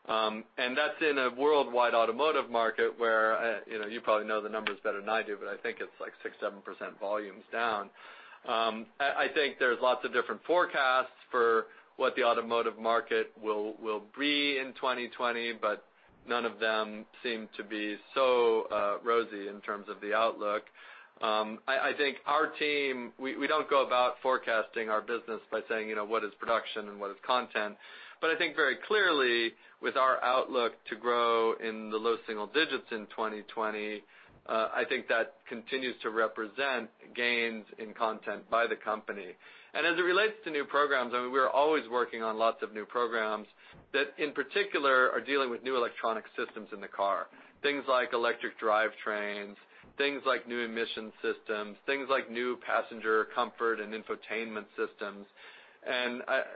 S3: And that's in a worldwide automotive market where, you know, you probably know the numbers better than I do, but I think it's like 6%-7% volumes down. I think there's lots of different forecasts for what the Automotive market will be in 2020, but none of them seem to be so rosy in terms of the outlook. I think our team, we don't go about forecasting our business by saying, you know, what is production and what is content? But I think very clearly, with our outlook to grow in the low single-digits in 2020, I think that continues to represent gains in content by the company. And as it relates to new programs, I mean, we're always working on lots of new programs that, in particular, are dealing with new electronic systems in the car. Things like electric drivetrains, things like new emission systems, things like new passenger comfort and infotainment systems.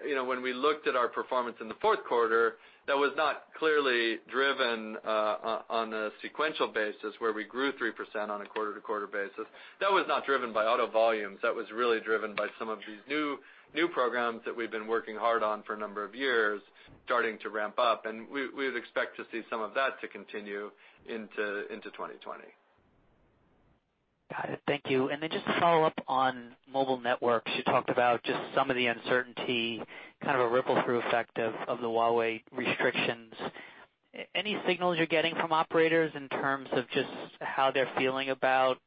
S3: You know, when we looked at our performance in the Q4, that was not clearly driven on a sequential basis, where we grew 3% on a quarter-over-quarter basis. That was not driven by auto volumes. That was really driven by some of these new, new programs that we've been working hard on for a number of years, starting to ramp up, and we, we'd expect to see some of that to continue into 2020.
S7: Got it. Thank you. And then just to follow up on mobile networks, you talked about just some of the uncertainty, kind of a ripple-through effect of the Huawei restrictions. Any signals you're getting from operators in terms of just how they're feeling about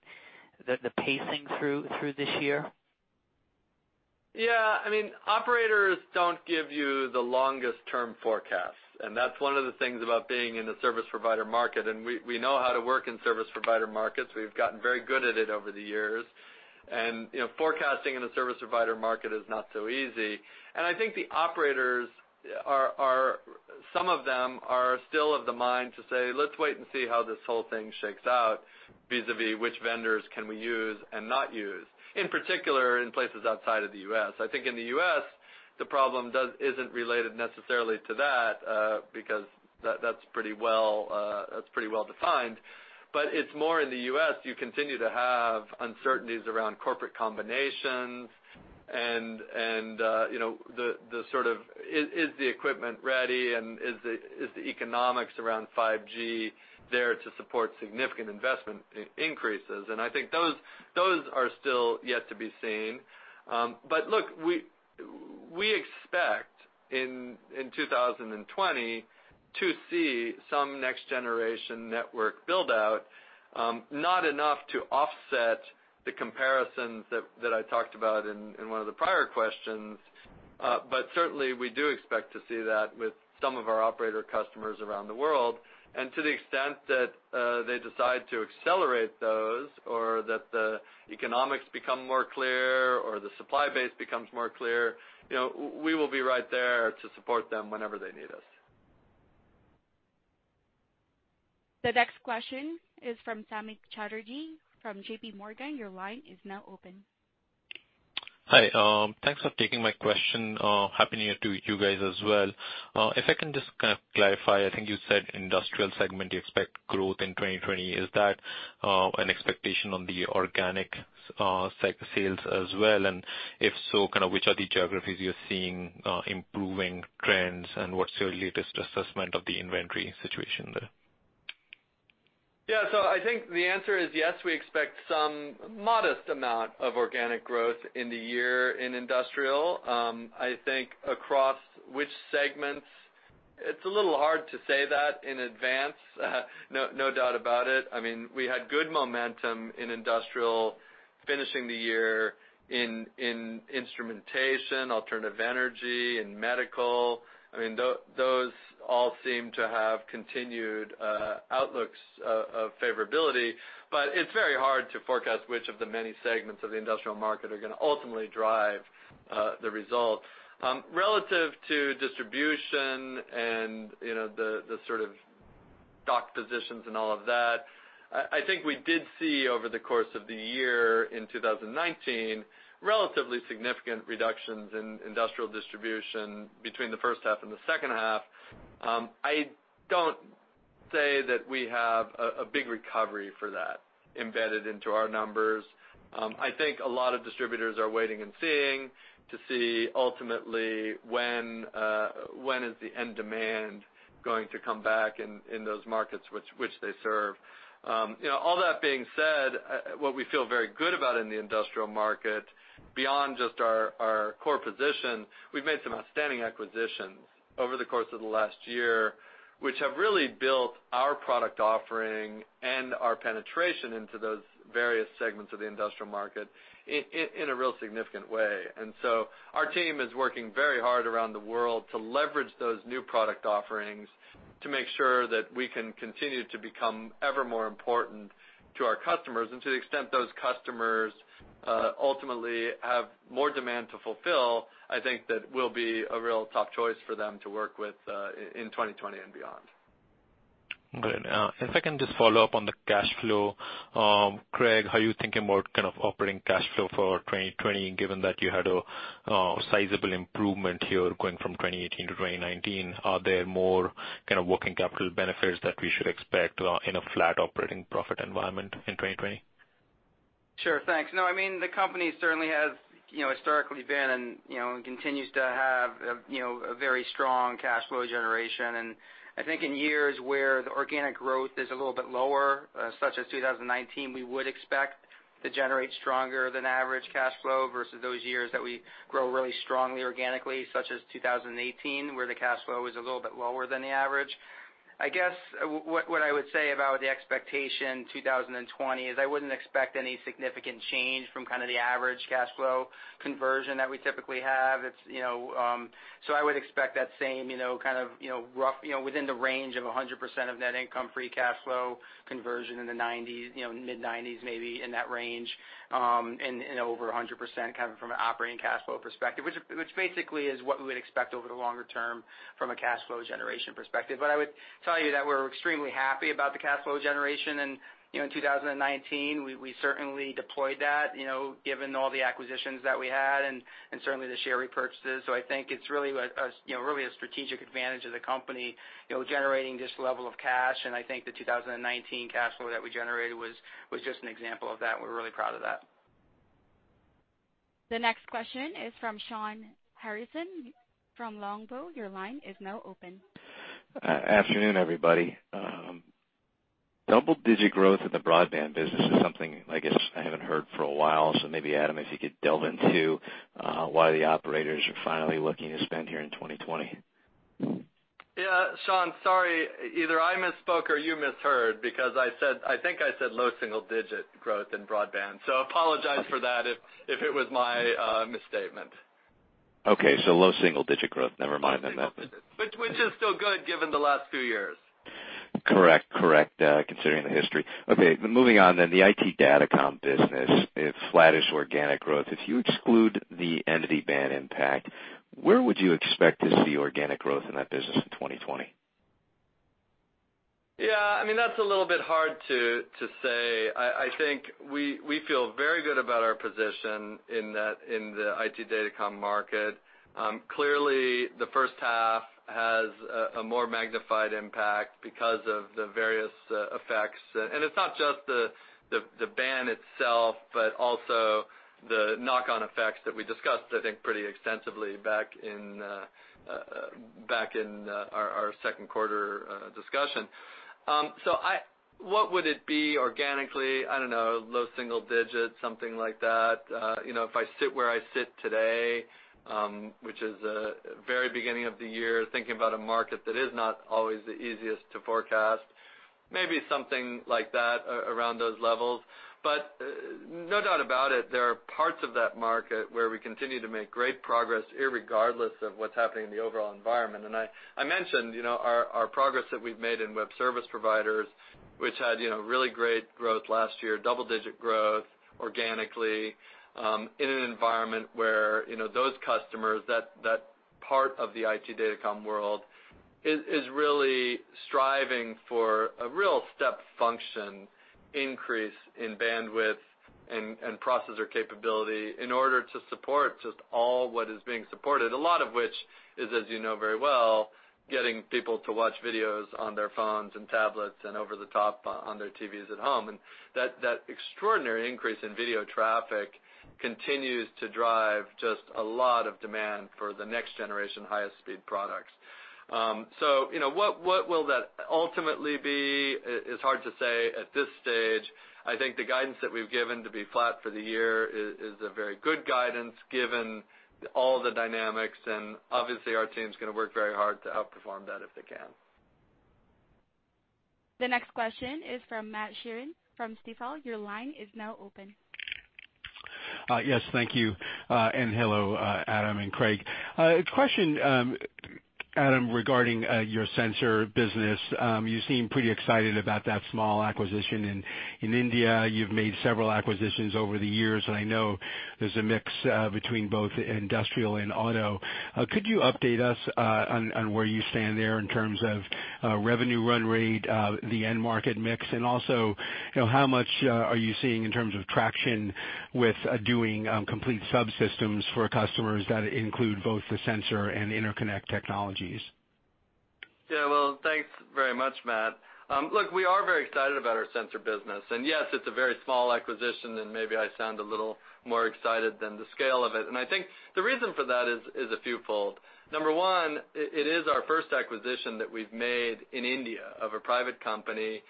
S7: the pacing through this year?
S3: Yeah, I mean, operators don't give you the longest term forecasts, and that's one of the things about being in the service provider market. We know how to work in service provider markets. We've gotten very good at it over the years. You know, forecasting in the service provider market is not so easy. I think the operators are some of them are still of the mind to say, let's wait and see how this whole thing shakes out, vis-à-vis which vendors can we use and not use, in particular, in places outside of the U.S. I think in the U.S., the problem isn't related necessarily to that, because that's pretty well defined. But it's more in the U.S., you continue to have uncertainties around corporate combinations and, you know, the sort of is the equipment ready? And is the economics around 5G there to support significant investment increases? And I think those are still yet to be seen. But look, we expect in 2020 to see some next generation network build-out, not enough to offset the comparisons that I talked about in one of the prior questions. But certainly, we do expect to see that with some of our operator customers around the world. And to the extent that they decide to accelerate those or that the economics become more clear, or the supply base becomes more clear, you know, we will be right there to support them whenever they need us.
S1: The next question is from Samik Chatterjee from JPMorgan. Your line is now open.
S8: Hi, thanks for taking my question. Happy New Year to you guys as well. If I can just kind of clarify, I think you said Industrial segment, you expect growth in 2020. Is that an expectation on the organic segment sales as well? And if so, kind of which are the geographies you're seeing improving trends, and what's your latest assessment of the inventory situation there?
S3: Yeah, so I think the answer is yes, we expect some modest amount of organic growth in the year in Industrial. I think across which segments, it's a little hard to say that in advance, no, no doubt about it. I mean, we had good momentum in Industrial, finishing the year in instrumentation, alternative energy, and medical. I mean, those all seem to have continued outlooks of favorability, but it's very hard to forecast which of the many segments of the Industrial market are gonna ultimately drive the results. Relative to distribution and, you know, the sort of stock positions and all of that, I think we did see over the course of the year in 2019, relatively significant reductions in industrial distribution between the first half and the second half. I don't say that we have a big recovery for that embedded into our numbers. I think a lot of distributors are waiting and seeing, to see ultimately when, when is the end demand going to come back in, in those markets which, which they serve. You know, all that being said, what we feel very good about in the Industrial market, beyond just our, our core position, we've made some outstanding acquisitions over the course of the last year, which have really built our product offering and our penetration into those various segments of the Industrial market, in, in, in a real significant way. And so our team is working very hard around the world to leverage those new product offerings, to make sure that we can continue to become ever more important to our customers. To the extent those customers ultimately have more demand to fulfill, I think that we'll be a real top choice for them to work with in 2020 and beyond.
S8: Great. If I can just follow up on the cash flow. Craig, how are you thinking about kind of operating cash flow for 2020, given that you had a sizable improvement here going from 2018 to 2019? Are there more kind of working capital benefits that we should expect in a flat operating profit environment in 2020?
S2: Sure, thanks. No, I mean, the company certainly has, you know, historically been and, you know, continues to have a, you know, a very strong cash flow generation. And I think in years where the organic growth is a little bit lower, such as 2019, we would expect to generate stronger than average cash flow versus those years that we grow really strongly organically, such as 2018, where the cash flow is a little bit lower than the average. I guess, what I would say about the expectation, 2020, is I wouldn't expect any significant change from kind of the average cash flow conversion that we typically have. It's, you know, so I would expect that same, you know, kind of, you know, rough, you know, within the range of 100% of net income, free cash flow conversion in the 90s, you know, mid-90s, maybe in that range, and over 100% kind of from an operating cash flow perspective, which basically is what we would expect over the longer term from a cash flow generation perspective. But I would tell you that we're extremely happy about the cash flow generation, and, you know, in 2019, we certainly deployed that, you know, given all the acquisitions that we had and certainly the share repurchases. So I think it's really a you know, really a strategic advantage of the company, you know, generating this level of cash. And I think the 2019 cash flow that we generated was just an example of that. We're really proud of that.
S1: The next question is from Shawn Harrison from Longbow. Your line is now open.
S9: Afternoon, everybody. Double-digit growth in the broadband business is something I guess I haven't heard for a while. So maybe, Adam, if you could delve into why the operators are finally looking to spend here in 2020.
S3: Yeah, Shawn, sorry, either I misspoke or you misheard, because I said, I think I said low single-digit growth in broadband. So apologize for that if, if it was my misstatement.
S9: Okay, so low single-digit growth. Never mind then.
S3: Low single digit. Which, which is still good, given the last few years.
S9: Correct, correct, considering the history. Okay, moving on, then. The IT Datacom business, it's flattish organic growth. If you exclude the entity ban impact, where would you expect to see organic growth in that business in 2020?
S3: Yeah, I mean, that's a little bit hard to say. I think we feel very good about our position in that in the IT Datacom market. Clearly, the first half has a more magnified impact because of the various effects. And it's not just the ban itself, but also the knock-on effects that we discussed, I think, pretty extensively back in back in our Q2 discussion. So I-- what would it be organically? I don't know, low single-digits, something like that. You know, if I sit where I sit today, which is very beginning of the year, thinking about a market that is not always the easiest to forecast, maybe something like that, around those levels. But, no doubt about it, there are parts of that market where we continue to make great progress, irregardless of what's happening in the overall environment. And I mentioned, you know, our progress that we've made in web service providers, which had, you know, really great growth last year, double-digit growth organically, in an environment where, you know, those customers, that part of the IT Datacom world is really striving for a real step function increase in bandwidth and processor capability in order to support just all what is being supported, a lot of which is, as you know very well, getting people to watch videos on their phones and tablets and over-the-top on their TVs at home. And that extraordinary increase in video traffic continues to drive just a lot of demand for the next-generation highest speed products. So you know, what will that ultimately be? It is hard to say at this stage. I think the guidance that we've given to be flat for the year is a very good guidance, given all the dynamics, and obviously, our team's going to work very hard to outperform that if they can.
S1: The next question is from Matt Sheerin from Stifel. Your line is now open.
S10: Yes, thank you, and hello, Adam and Craig. A question, Adam, regarding your sensor business. You seem pretty excited about that small acquisition in India. You've made several acquisitions over the years, and I know there's a mix between both industrial and auto. Could you update us on where you stand there in terms of revenue run rate, the end market mix, and also, you know, how much are you seeing in terms of traction with doing complete subsystems for customers that include both the sensor and interconnect technologies?
S3: Yeah, well, thanks very much, Matt. Look, we are very excited about our sensor business. Yes, it's a very small acquisition, and maybe I sound a little more excited than the scale of it. I think the reason for that is a fewfold. Number one, it is our first acquisition that we've made in India of a private company,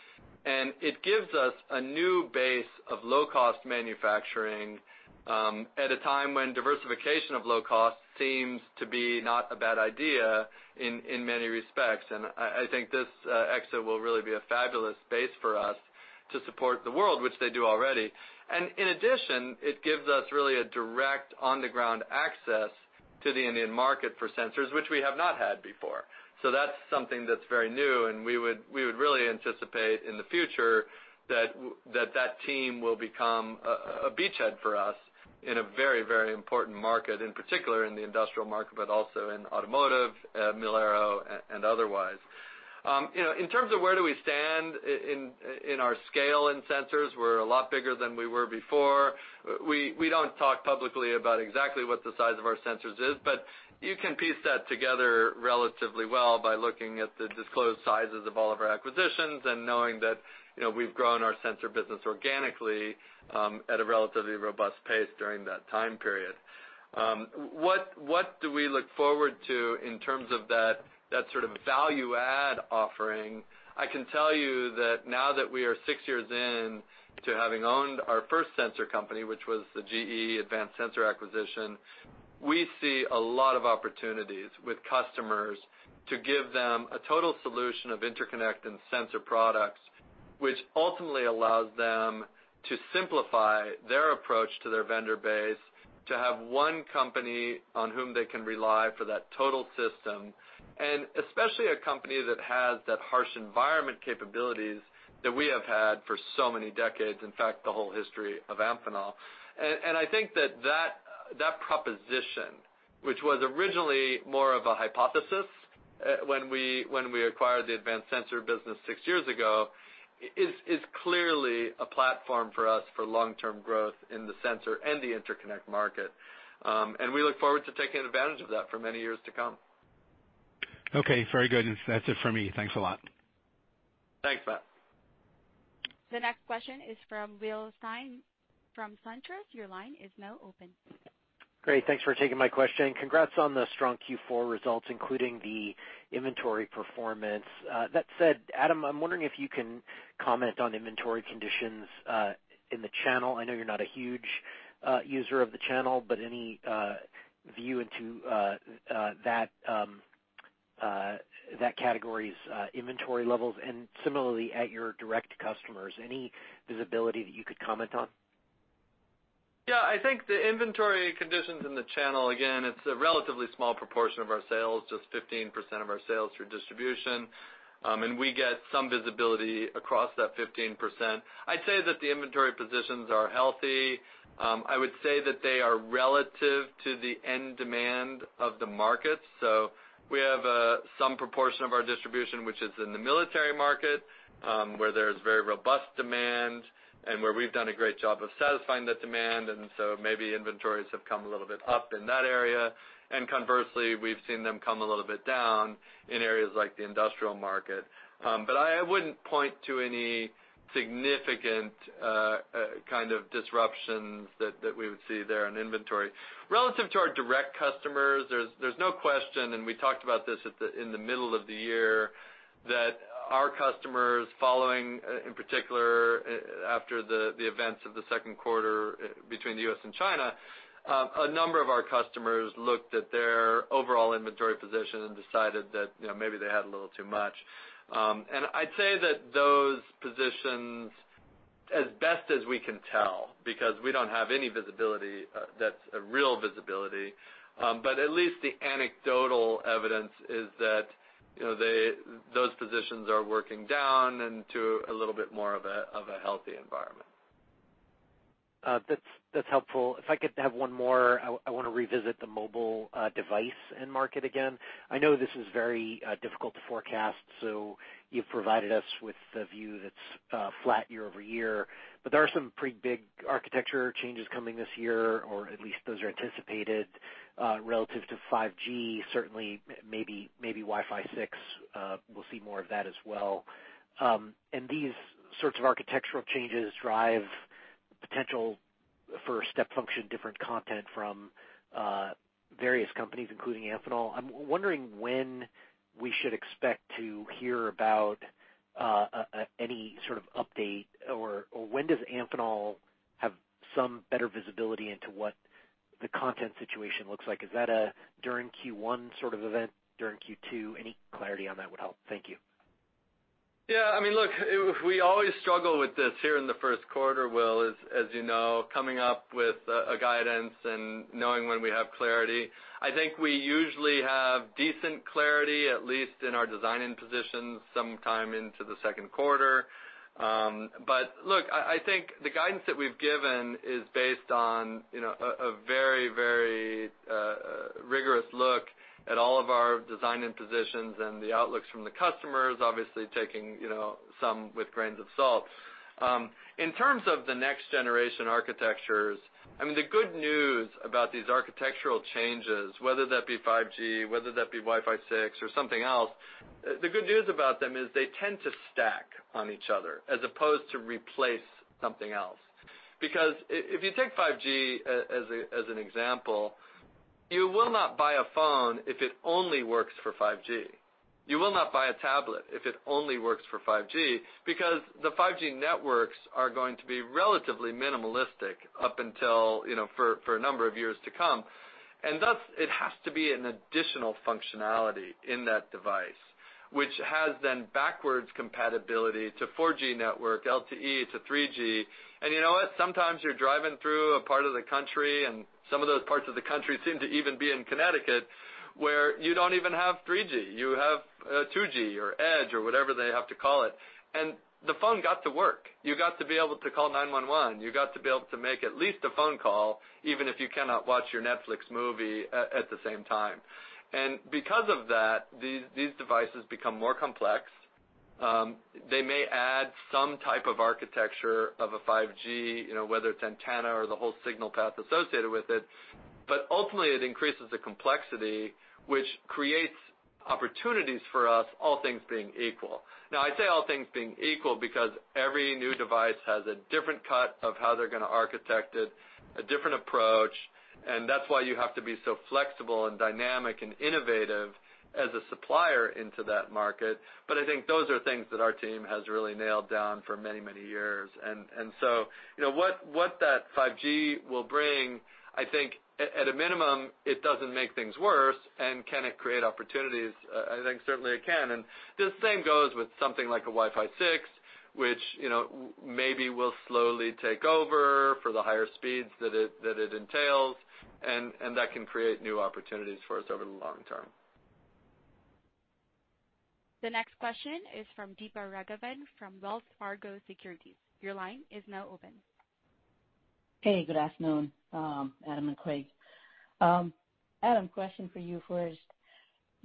S3: and it gives us a new base of low-cost manufacturing at a time when diversification of low cost seems to be not a bad idea in many respects. I think this EXA will really be a fabulous base for us to support the world, which they do already. In addition, it gives us really a direct on-the-ground access to the Indian market for sensors, which we have not had before. So that's something that's very new, and we would really anticipate in the future that that team will become a beachhead for us in a very, very important market, in particular in the Industrial market, but also in Automotive, Mil-Aero, and otherwise. You know, in terms of where do we stand in our scale in sensors, we're a lot bigger than we were before. We don't talk publicly about exactly what the size of our sensors is, but you can piece that together relatively well by looking at the disclosed sizes of all of our acquisitions and knowing that, you know, we've grown our sensor business organically at a relatively robust pace during that time period. What do we look forward to in terms of that sort of value-add offering? I can tell you that now that we are six years into having owned our first sensor company, which was the GE Advanced Sensor acquisition, we see a lot of opportunities with customers to give them a total solution of interconnect and sensor products, which ultimately allows them to simplify their approach to their vendor base, to have one company on whom they can rely for that total system, and especially a company that has that harsh environment capabilities that we have had for so many decades, in fact, the whole history of Amphenol. And I think that proposition, which was originally more of a hypothesis, when we acquired the GE Advanced Sensor business six years ago, is clearly a platform for us for long-term growth in the sensor and the interconnect market. We look forward to taking advantage of that for many years to come.
S10: Okay, very good. That's it for me. Thanks a lot.
S3: Thanks, Matt.
S1: The next question is from Will Stein, from SunTrust. Your line is now open.
S11: Great. Thanks for taking my question. Congrats on the strong Q4 results, including the inventory performance. That said, Adam, I'm wondering if you can comment on inventory conditions in the channel. I know you're not a huge user of the channel, but any view into that category's inventory levels, and similarly, at your direct customers, any visibility that you could comment on?
S3: Yeah, I think the inventory conditions in the channel, again, it's a relatively small proportion of our sales, just 15% of our sales through distribution, and we get some visibility across that 15%. I'd say that the inventory positions are healthy. I would say that they are relative to the end demand of the markets. So we have, some proportion of our distribution, which is in the military market, where there's very robust demand and where we've done a great job of satisfying the demand, and so maybe inventories have come a little bit up in that area. And conversely, we've seen them come a little bit down in areas like the Industrial market. But I, I wouldn't point to any significant, kind of disruptions that, that we would see there in inventory. Relative to our direct customers, there's no question, and we talked about this in the middle of the year, that our customers following, in particular, after the events of the Q2 between the U.S. and China, a number of our customers looked at their overall inventory position and decided that, you know, maybe they had a little too much. I'd say that those positions, as best as we can tell, because we don't have any visibility, that's a real visibility, but at least the anecdotal evidence is that, you know, those positions are working down into a little bit more of a healthy environment.
S11: That's, that's helpful. If I could have one more, I wanna revisit the mobile, device end market again. I know this is very, difficult to forecast, so you've provided us with the view that's, flat year-over-year. But there are some pretty big architecture changes coming this year, or at least those are anticipated, relative to 5G, certainly maybe, maybe Wi-Fi 6, we'll see more of that as well. And these sorts of architectural changes drive potential for step function, different content from, various companies, including Amphenol. I'm wondering when we should expect to hear about, any sort of update, or, when does Amphenol have some better visibility into what the content situation looks like? Is that a during Q1 sort of event, during Q2? Any clarity on that would help. Thank you.
S3: Yeah, I mean, look, we always struggle with this here in the Q1, Will, as you know, coming up with a guidance and knowing when we have clarity. I think we usually have decent clarity, at least in our designing positions, sometime into the Q2. But look, I think the guidance that we've given is based on, you know, a very, very rigorous look at all of our design and positions and the outlooks from the customers, obviously taking, you know, some with grains of salt. In terms of the next-generation architectures, I mean, the good news about these architectural changes, whether that be 5G, whether that be Wi-Fi 6 or something else, the good news about them is they tend to stack on each other as opposed to replace something else. Because if you take 5G as, as a, as an example, you will not buy a phone if it only works for 5G. You will not buy a tablet if it only works for 5G, because the 5G networks are going to be relatively minimalistic up until, you know, for, for a number of years to come. And thus, it has to be an additional functionality in that device, which has then backwards compatibility to 4G network, LTE to 3G. And you know what? Sometimes you're driving through a part of the country, and some of those parts of the country seem to even be in Connecticut, where you don't even have 3G. You have 2G or EDGE or whatever they have to call it, and the phone got to work. You got to be able to call 911. You got to be able to make at least a phone call, even if you cannot watch your Netflix movie at the same time. And because of that, these devices become more complex. They may add some type of architecture of a 5G, you know, whether it's antenna or the whole signal path associated with it, but ultimately, it increases the complexity, which creates opportunities for us, all things being equal. Now, I say all things being equal because every new device has a different cut of how they're gonna architect it, a different approach, and that's why you have to be so flexible and dynamic and innovative as a supplier into that market. But I think those are things that our team has really nailed down for many, many years. So, you know, what that 5G will bring, I think, at a minimum, it doesn't make things worse, and can it create opportunities? I think certainly it can. And the same goes with something like a Wi-Fi 6, which, you know, maybe will slowly take over for the higher speeds that it entails, and that can create new opportunities for us over the long term.
S1: The next question is from Deepa Raghavan from Wells Fargo Securities. Your line is now open.
S12: Hey, good afternoon, Adam and Craig. Adam, question for you first.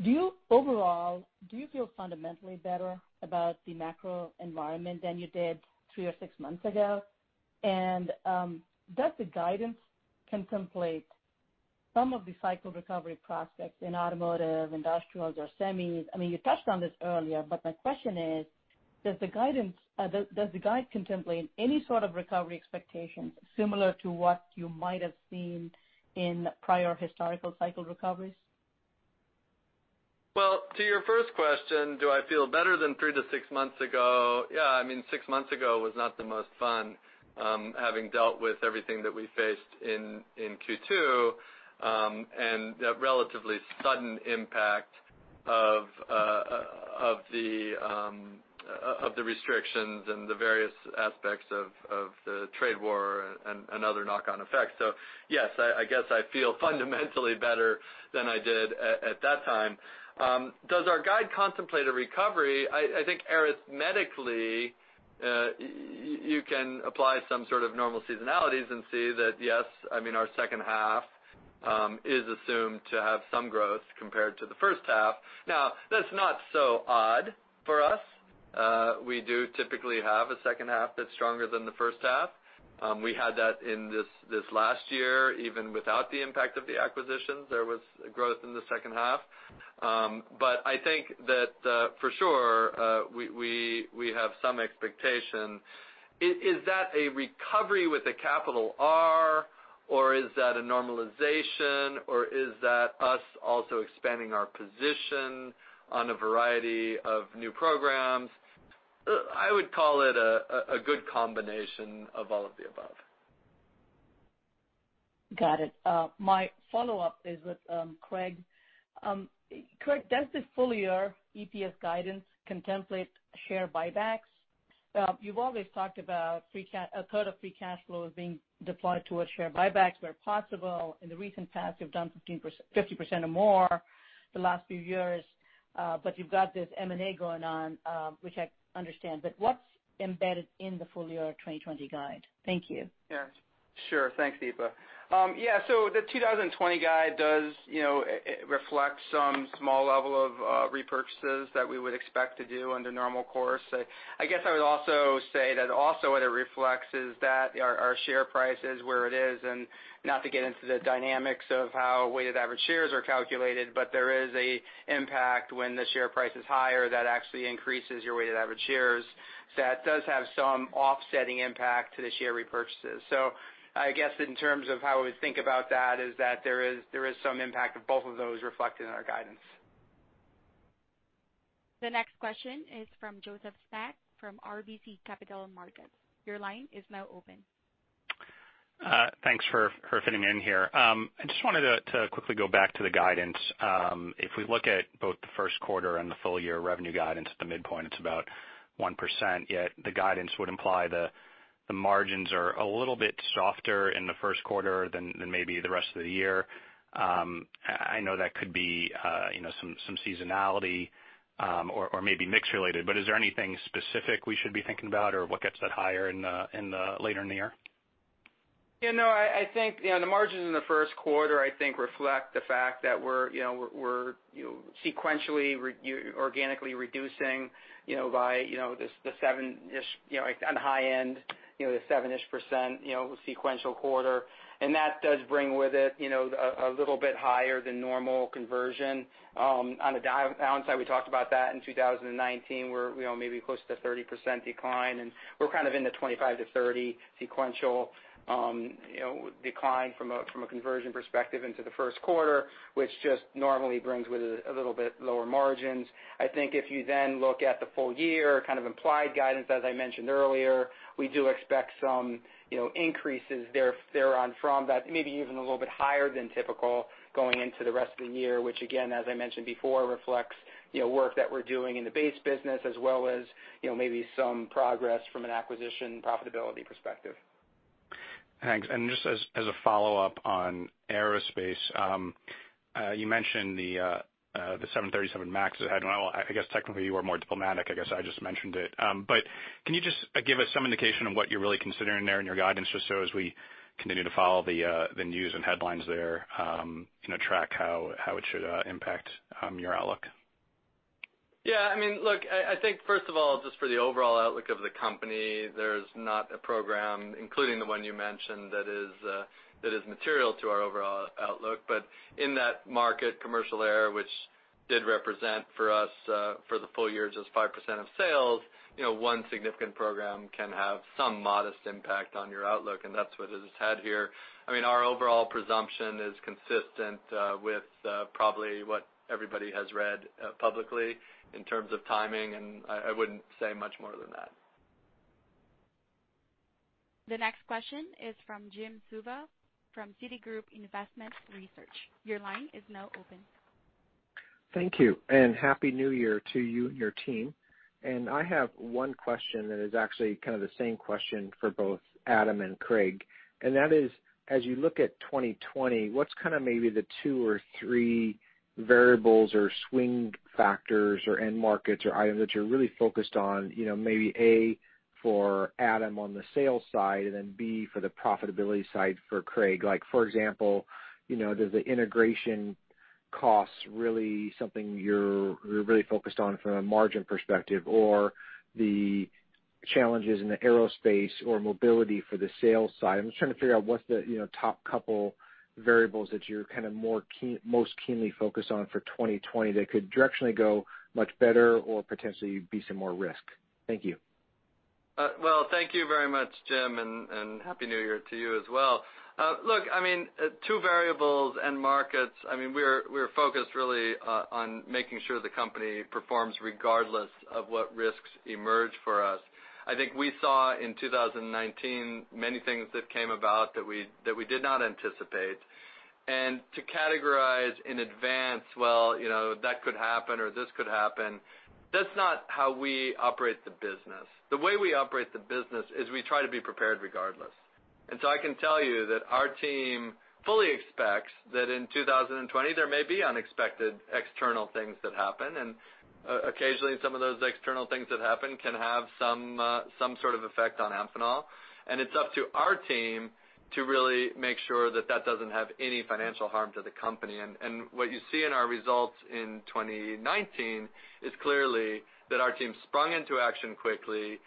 S12: Do you- overall, do you feel fundamentally better about the macroenvironment than you did three or six months ago? And, does the guidance contemplate some of the cycle recovery prospects in automotive, industrials, or semis? I mean, you touched on this earlier, but my question is, does the guidance, does, does the guide contemplate any sort of recovery expectations similar to what you might have seen in prior historical cycle recoveries?
S3: Well, to your first question, do I feel better than three tp six months ago? Yeah, I mean, six months ago was not the most fun, having dealt with everything that we faced in Q2, and the relatively sudden impact of the restrictions and the various aspects of the trade war and other knock-on effects. So yes, I guess I feel fundamentally better than I did at that time. Does our guide contemplate a recovery? I think arithmetically, you can apply some sort of normal seasonalities and see that, yes, I mean, our second half is assumed to have some growth compared to the first half. Now, that's not so odd for us. We do typically have a second half that's stronger than the first half. We had that in this last year, even without the impact of the acquisitions, there was growth in the second half. But I think that, for sure, we have some expectation. Is that a recovery with a capital R, or is that a normalization, or is that us also expanding our position on a variety of new programs? I would call it a good combination of all of the above.
S12: Got it. My follow-up is with Craig. Craig, does the full year EPS guidance contemplate share buybacks? You've always talked about a part of free cash flow being deployed towards share buybacks where possible. In the recent past, you've done 50% or more in the last few years, but you've got this M&A going on, which I understand. But what's embedded in the full-year 2020 guide? Thank you.
S2: Yeah, sure. Thanks, Deepa. Yeah, so the 2020 guide does, you know, it reflects some small level of repurchases that we would expect to do in the normal course. I guess I would also say that also what it reflects is that our share price is where it is, and not to get into the dynamics of how weighted average shares are calculated, but there is an impact when the share price is higher, that actually increases your weighted average shares. So that does have some offsetting impact to the share repurchases. So I guess in terms of how I would think about that is that there is some impact of both of those reflected in our guidance.
S1: The next question is from Joseph Spak from RBC Capital Markets. Your line is now open.
S13: Thanks for fitting me in here. I just wanted to quickly go back to the guidance. If we look at both the Q1 and the full year revenue guidance, at the midpoint, it's about 1%, yet the guidance would imply the margins are a little bit softer in the Q1 than maybe the rest of the year. I know that could be, you know, some seasonality, or maybe mix related, but is there anything specific we should be thinking about or what gets that higher later in the year?
S2: Yeah, no, I think, you know, the margins in the Q1, I think, reflect the fact that we're, you know, sequentially organically reducing, you know, by, you know, the seven-ish, you know, on the high end, you know, the seven-ish percent, you know, sequential quarter. And that does bring with it, you know, a little bit higher than normal conversion. On the downside, we talked about that in 2019, where, you know, maybe close to a 30% decline, and we're kind of in the 25-30 sequential, you know, decline from a, from a conversion perspective into the Q1, which just normally brings with it a little bit lower margins. I think if you then look at the full year kind of implied guidance, as I mentioned earlier, we do expect some, you know, increases there, thereon from that, maybe even a little bit higher than typical going into the rest of the year, which again, as I mentioned before, reflects, you know, work that we're doing in the base business as well as, you know, maybe some progress from an acquisition profitability perspective.
S13: Thanks. And just as a follow-up on Aerospace, you mentioned the 737 MAX had, well, I guess technically you were more diplomatic, I guess I just mentioned it. But can you just give us some indication of what you're really considering there in your guidance, just so as we continue to follow the news and headlines there, you know, track how it should impact your outlook?
S3: Yeah, I mean, look, I think first of all, just for the overall outlook of the company, there's not a program, including the one you mentioned, that is material to our overall outlook. But in that market, commercial air, which did represent for us for the full year, just 5% of sales, you know, one significant program can have some modest impact on your outlook, and that's what it has had here. I mean, our overall presumption is consistent with probably what everybody has read publicly in terms of timing, and I wouldn't say much more than that.
S1: The next question is from Jim Suva from Citigroup Investment Research. Your line is now open.
S14: Thank you, and Happy New Year to you and your team. I have one question that is actually kind of the same question for both Adam and Craig, and that is, as you look at 2020, what's kind of maybe the two or three variables or swing factors or end markets or items that you're really focused on, you know, maybe A, for Adam on the sales side, and then B, for the profitability side for Craig? Like, for example, you know, does the integration costs really something you're, you're really focused on from a margin perspective, or the challenges in the Aerospace or mobility for the sales side? I'm just trying to figure out what's the, you know, top couple variables that you're kind of more most keenly focused on for 2020 that could directionally go much better or potentially be some more risk. Thank you.
S3: Well, thank you very much, Jim, and Happy New Year to you as well. Look, I mean, two variables, end markets, I mean, we're focused really on making sure the company performs regardless of what risks emerge for us. I think we saw in 2019 many things that came about that we did not anticipate. And to categorize in advance, well, you know, that could happen or this could happen, that's not how we operate the business. The way we operate the business is we try to be prepared regardless. And so I can tell you that our team fully expects that in 2020, there may be unexpected external things that happen, and occasionally, some of those external things that happen can have some sort of effect on Amphenol. And it's up to our team to really make sure that that doesn't have any financial harm to the company. And, and what you see in our results in 2019 is clearly that our team sprung into action quickly,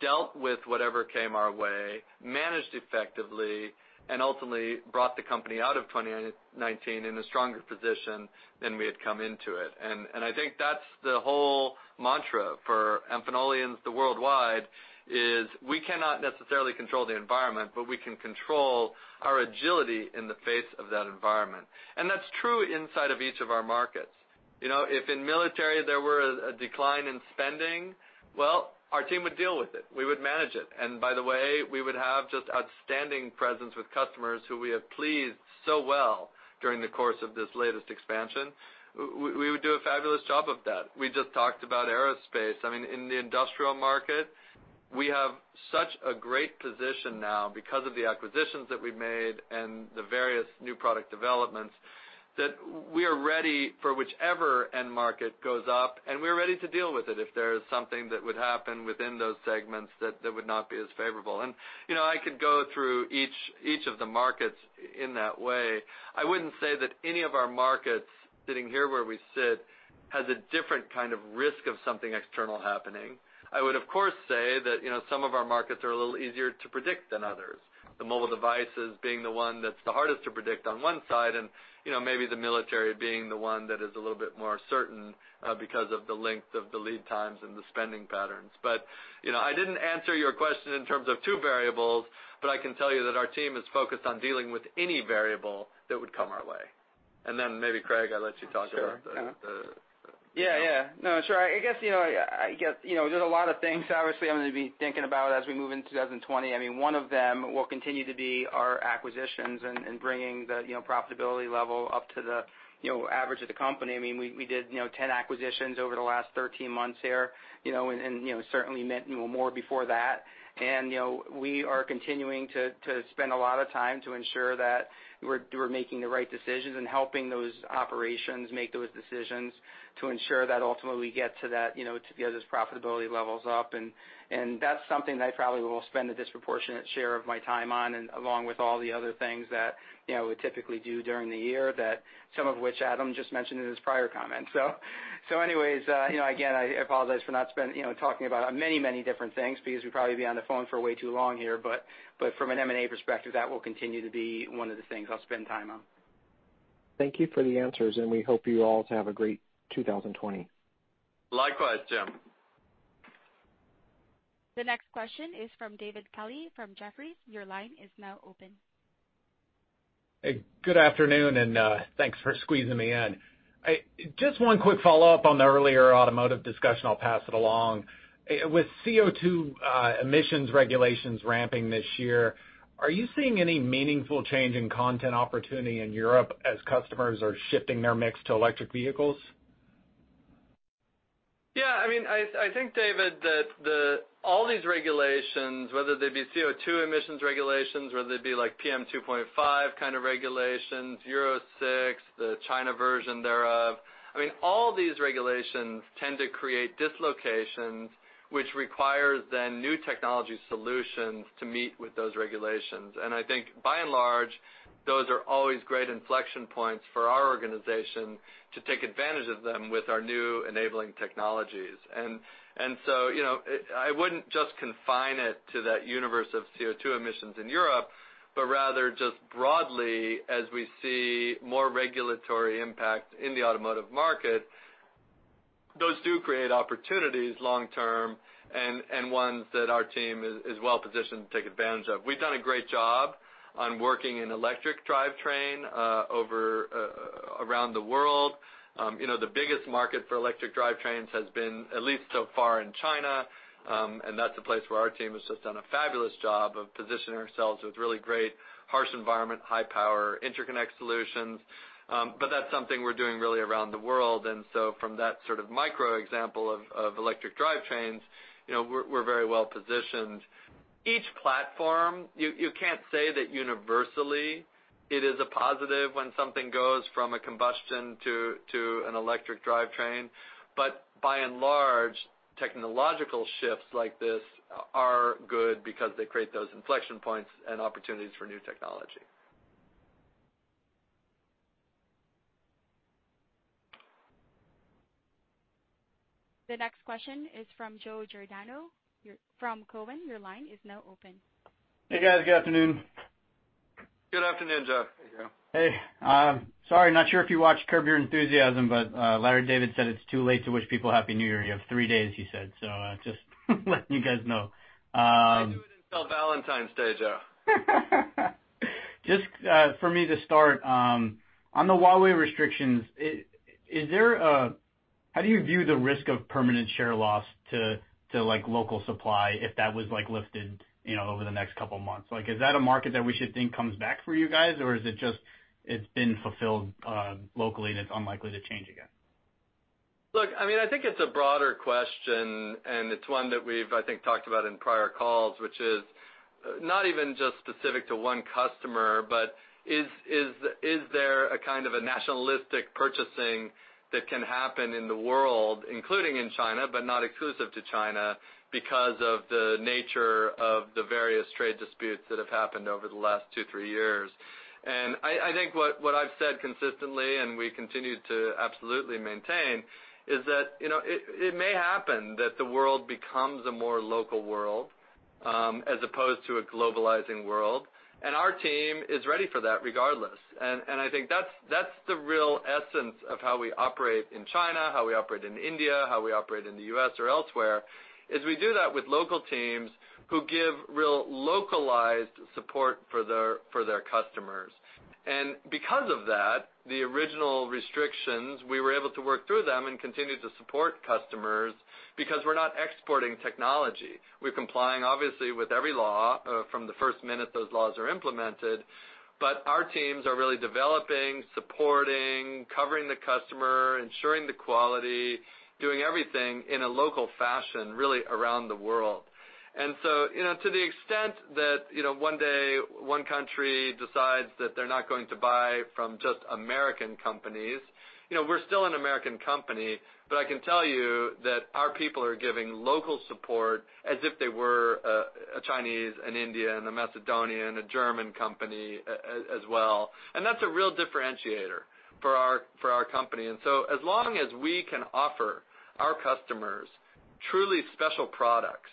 S3: dealt with whatever came our way, managed effectively, and ultimately brought the company out of 2019 in a stronger position than we had come into it. And, and I think that's the whole mantra for Amphenolians worldwide, is we cannot necessarily control the environment, but we can control our agility in the face of that environment. And that's true inside of each of our markets. You know, if in military there were a, a decline in spending, well, our team would deal with it. We would manage it. And by the way, we would have just outstanding presence with customers who we have pleased so well during the course of this latest expansion. We would do a fabulous job of that. We just talked about Aerospace. I mean, in the Industrial market, we have such a great position now because of the acquisitions that we've made and the various new product developments, that we are ready for whichever end market goes up, and we're ready to deal with it if there is something that would happen within those segments that would not be as favorable. And, you know, I could go through each of the markets in that way. I wouldn't say that any of our markets, sitting here where we sit, has a different kind of risk of something external happening. I would, of course, say that, you know, some of our markets are a little easier to predict than others. The mobile devices being the one that's the hardest to predict on one side, and, you know, maybe the military being the one that is a little bit more certain, because of the length of the lead times and the spending patterns. But, you know, I didn't answer your question in terms of two variables, but I can tell you that our team is focused on dealing with any variable that would come our way. And then maybe, Craig, I'll let you talk about the-
S2: Sure. Yeah, yeah. No, sure. I guess, you know, I guess, you know, there's a lot of things, obviously, I'm gonna be thinking about as we move into 2020. I mean, one of them will continue to be our acquisitions and, and bringing the, you know, profitability level up to the, you know, average of the company. I mean, we, we did, you know, 10 acquisitions over the last 13 months here, you know, and, and, you know, certainly meant, you know, more before that. And, you know, we are continuing to, to spend a lot of time to ensure that we're, we're making the right decisions and helping those operations make those decisions, to ensure that ultimately we get to that, you know, to get those profitability levels up. That's something that I probably will spend a disproportionate share of my time on, and along with all the other things that, you know, we typically do during the year, that some of which Adam just mentioned in his prior comment. So anyways, you know, again, I apologize for not spending, you know, talking about many, many different things because we'd probably be on the phone for way too long here. But from an M&A perspective, that will continue to be one of the things I'll spend time on.
S14: Thank you for the answers, and we hope you all have a great 2020.
S3: Likewise, Jim.
S1: The next question is from David Kelley, from Jefferies. Your line is now open.
S15: Hey, good afternoon, and, thanks for squeezing me in. Just one quick follow-up on the earlier automotive discussion, I'll pass it along. With CO2 emissions regulations ramping this year, are you seeing any meaningful change in content opportunity in Europe as customers are shifting their mix to electric vehicles?
S3: Yeah, I mean, I think, David, that the... All these regulations, whether they be CO2 emissions regulations, whether they be like PM2.5 kind of regulations, Euro 6, the China version thereof-... I mean, all these regulations tend to create dislocations, which requires then new technology solutions to meet with those regulations. And I think by and large, those are always great inflection points for our organization to take advantage of them with our new enabling technologies. And so, you know, it-- I wouldn't just confine it to that universe of CO2 emissions in Europe, but rather just broadly, as we see more regulatory impact in the automotive market, those do create opportunities long term and, and ones that our team is well positioned to take advantage of. We've done a great job on working in electric drivetrain, over, around the world. You know, the biggest market for electric drivetrains has been, at least so far, in China, and that's a place where our team has just done a fabulous job of positioning ourselves with really great, harsh environment, high power, interconnect solutions. But that's something we're doing really around the world. And so from that sort of micro example of electric drivetrains, you know, we're very well positioned. Each platform, you can't say that universally it is a positive when something goes from a combustion to an electric drivetrain. But by and large, technological shifts like this are good because they create those inflection points and opportunities for new technology.
S1: The next question is from Joe Giordano from Cowen. Your line is now open.
S16: Hey, guys. Good afternoon.
S3: Good afternoon, Joe.
S2: Hey, Joe.
S16: Hey, sorry, not sure if you watched Curb Your Enthusiasm, but Larry David said it's too late to wish people Happy New Year. You have three days, he said. So, just letting you guys know,
S3: We do it until Valentine's Day, Joe.
S16: Just, for me to start, on the Huawei restrictions, how do you view the risk of permanent share loss to like local supply if that was like lifted, you know, over the next couple of months? Like, is that a market that we should think comes back for you guys, or is it just it's been fulfilled locally, and it's unlikely to change again?
S3: Look, I mean, I think it's a broader question, and it's one that we've, I think, talked about in prior calls, which is not even just specific to one customer, but is there a kind of a nationalistic purchasing that can happen in the world, including in China, but not exclusive to China, because of the nature of the various trade disputes that have happened over the last two to three years? And I think what I've said consistently, and we continue to absolutely maintain, is that, you know, it may happen that the world becomes a more local world, as opposed to a globalizing world, and our team is ready for that regardless. And I think that's the real essence of how we operate in China, how we operate in India, how we operate in the U.S. or elsewhere, is we do that with local teams who give real localized support for their customers. And because of that, the original restrictions, we were able to work through them and continue to support customers because we're not exporting technology. We're complying, obviously, with every law, from the first minute those laws are implemented, but our teams are really developing, supporting, covering the customer, ensuring the quality, doing everything in a local fashion, really around the world. And so, you know, to the extent that, you know, one day, one country decides that they're not going to buy from just American companies, you know, we're still an American company, but I can tell you that our people are giving local support as if they were a Chinese, an Indian, a Macedonian, a German company as well. And that's a real differentiator for our, for our company. And so as long as we can offer our customers truly special products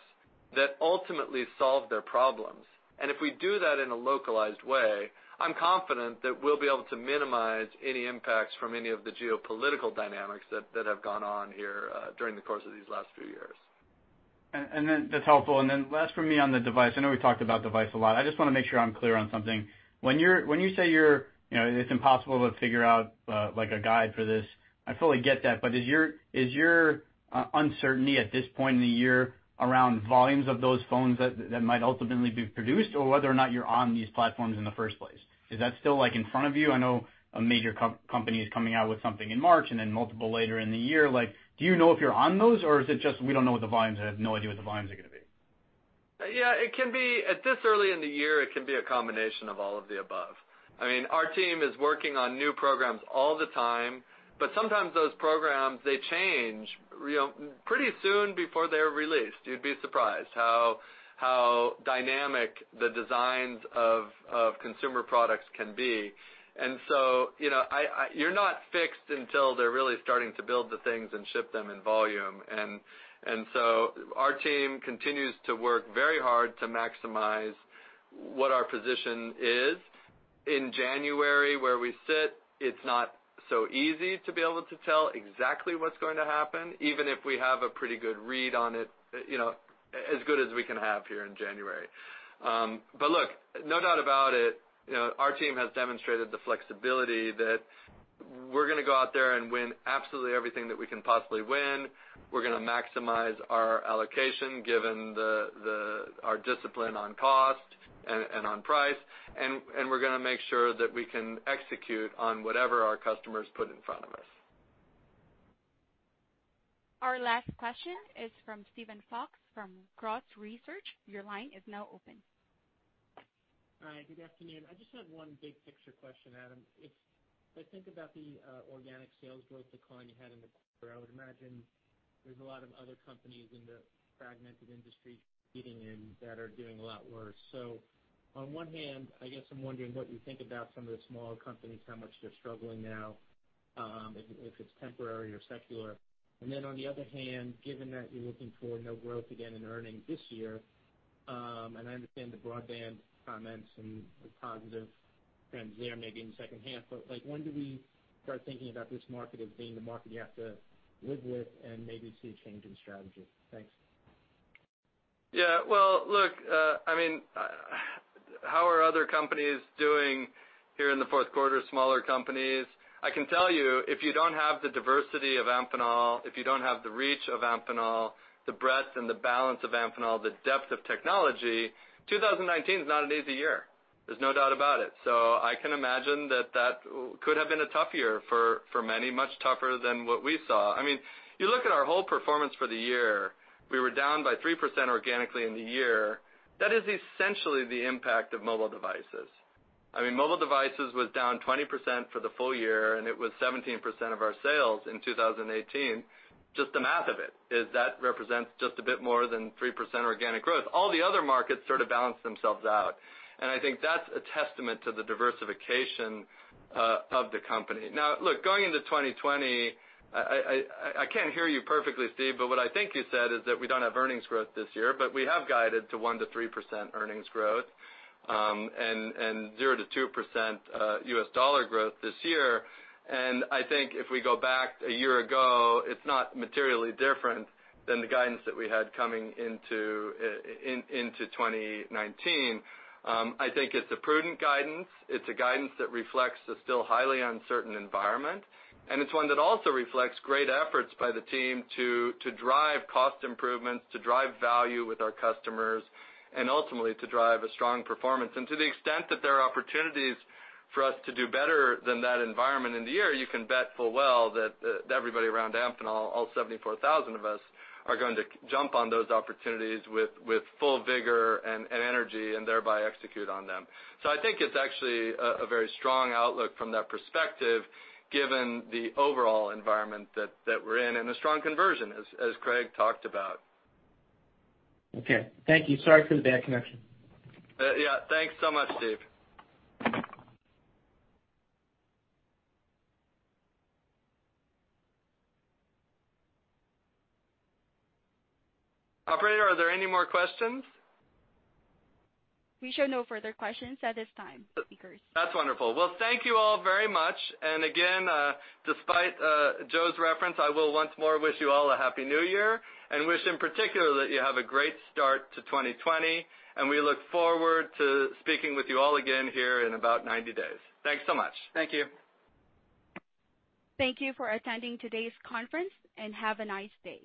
S3: that ultimately solve their problems, and if we do that in a localized way, I'm confident that we'll be able to minimize any impacts from any of the geopolitical dynamics that, that have gone on here during the course of these last few years.
S16: And then that's helpful. And then last for me on the device, I know we talked about device a lot. I just wanna make sure I'm clear on something. When you say you're, you know, it's impossible to figure out, like, a guide for this, I fully get that. But is your uncertainty at this point in the year around volumes of those phones that might ultimately be produced, or whether or not you're on these platforms in the first place? Is that still, like, in front of you? I know a major company is coming out with something in March and then multiple later in the year. Like, do you know if you're on those, or is it just we don't know what the volumes are? I have no idea what the volumes are gonna be?
S3: Yeah, it can be—at this early in the year, it can be a combination of all of the above. I mean, our team is working on new programs all the time, but sometimes those programs, they change, you know, pretty soon before they're released. You'd be surprised how dynamic the designs of consumer products can be. And so, you know, you're not fixed until they're really starting to build the things and ship them in volume. And so our team continues to work very hard to maximize what our position is. In January, where we sit, it's not so easy to be able to tell exactly what's going to happen, even if we have a pretty good read on it, you know, as good as we can have here in January. But look, no doubt about it, you know, our team has demonstrated the flexibility that we're gonna go out there and win absolutely everything that we can possibly win. We're gonna maximize our allocation, given our discipline on cost and on price, and we're gonna make sure that we can execute on whatever our customers put in front of us.
S1: Our last question is from Steven Fox from Cross Research. Your line is now open.
S17: Hi, good afternoon. I just have one big picture question, Adam. If I think about the organic sales growth decline you had in the quarter, I would imagine there's a lot of other companies in the fragmented industry competing in that are doing a lot worse. So on one hand, I guess I'm wondering what you think about some of the smaller companies, how much they're struggling now, if it's temporary or secular. And then, on the other hand, given that you're looking for no growth again in earnings this year, and I understand the broadband comments and the positive trends there may be in the second half, but like, when do we start thinking about this market as being the market you have to live with and maybe see a change in strategy? Thanks.
S3: Yeah, well, look, I mean, how are other companies doing here in the Q4, smaller companies? I can tell you, if you don't have the diversity of Amphenol, if you don't have the reach of Amphenol, the breadth and the balance of Amphenol, the depth of technology, 2019 is not an easy year. There's no doubt about it. So I can imagine that that could have been a tough year for, for many, much tougher than what we saw. I mean, you look at our whole performance for the year, we were down by 3% organically in the year. That is essentially the impact of mobile devices. I mean, mobile devices was down 20% for the full year, and it was 17% of our sales in 2018. Just the math of it, is that represents just a bit more than 3% organic growth. All the other markets sort of balance themselves out, and I think that's a testament to the diversification of the company. Now, look, going into 2020, I can't hear you perfectly, Steve, but what I think you said is that we don't have earnings growth this year, but we have guided to 1%-3% earnings growth, and 0%-2% U.S. dollar growth this year. And I think if we go back a year ago, it's not materially different than the guidance that we had coming into 2019. I think it's a prudent guidance. It's a guidance that reflects the still highly uncertain environment, and it's one that also reflects great efforts by the team to drive cost improvements, to drive value with our customers, and ultimately, to drive a strong performance. And to the extent that there are opportunities for us to do better than that environment in the year, you can bet full well that, everybody around Amphenol, all 74,000 of us, are going to jump on those opportunities with, with full vigor and, and energy, and thereby execute on them. So I think it's actually a, a very strong outlook from that perspective, given the overall environment that, that we're in, and a strong conversion, as, as Craig talked about.
S17: Okay. Thank you. Sorry for the bad connection.
S3: Yeah, thanks so much, Steve. Operator, are there any more questions?
S1: We show no further questions at this time, speakers.
S3: That's wonderful. Well, thank you all very much. And again, despite, Joe's reference, I will once more wish you all a Happy New Year, and wish in particular that you have a great start to 2020, and we look forward to speaking with you all again here in about 90 days. Thanks so much.
S2: Thank you.
S1: Thank you for attending today's conference, and have a nice day.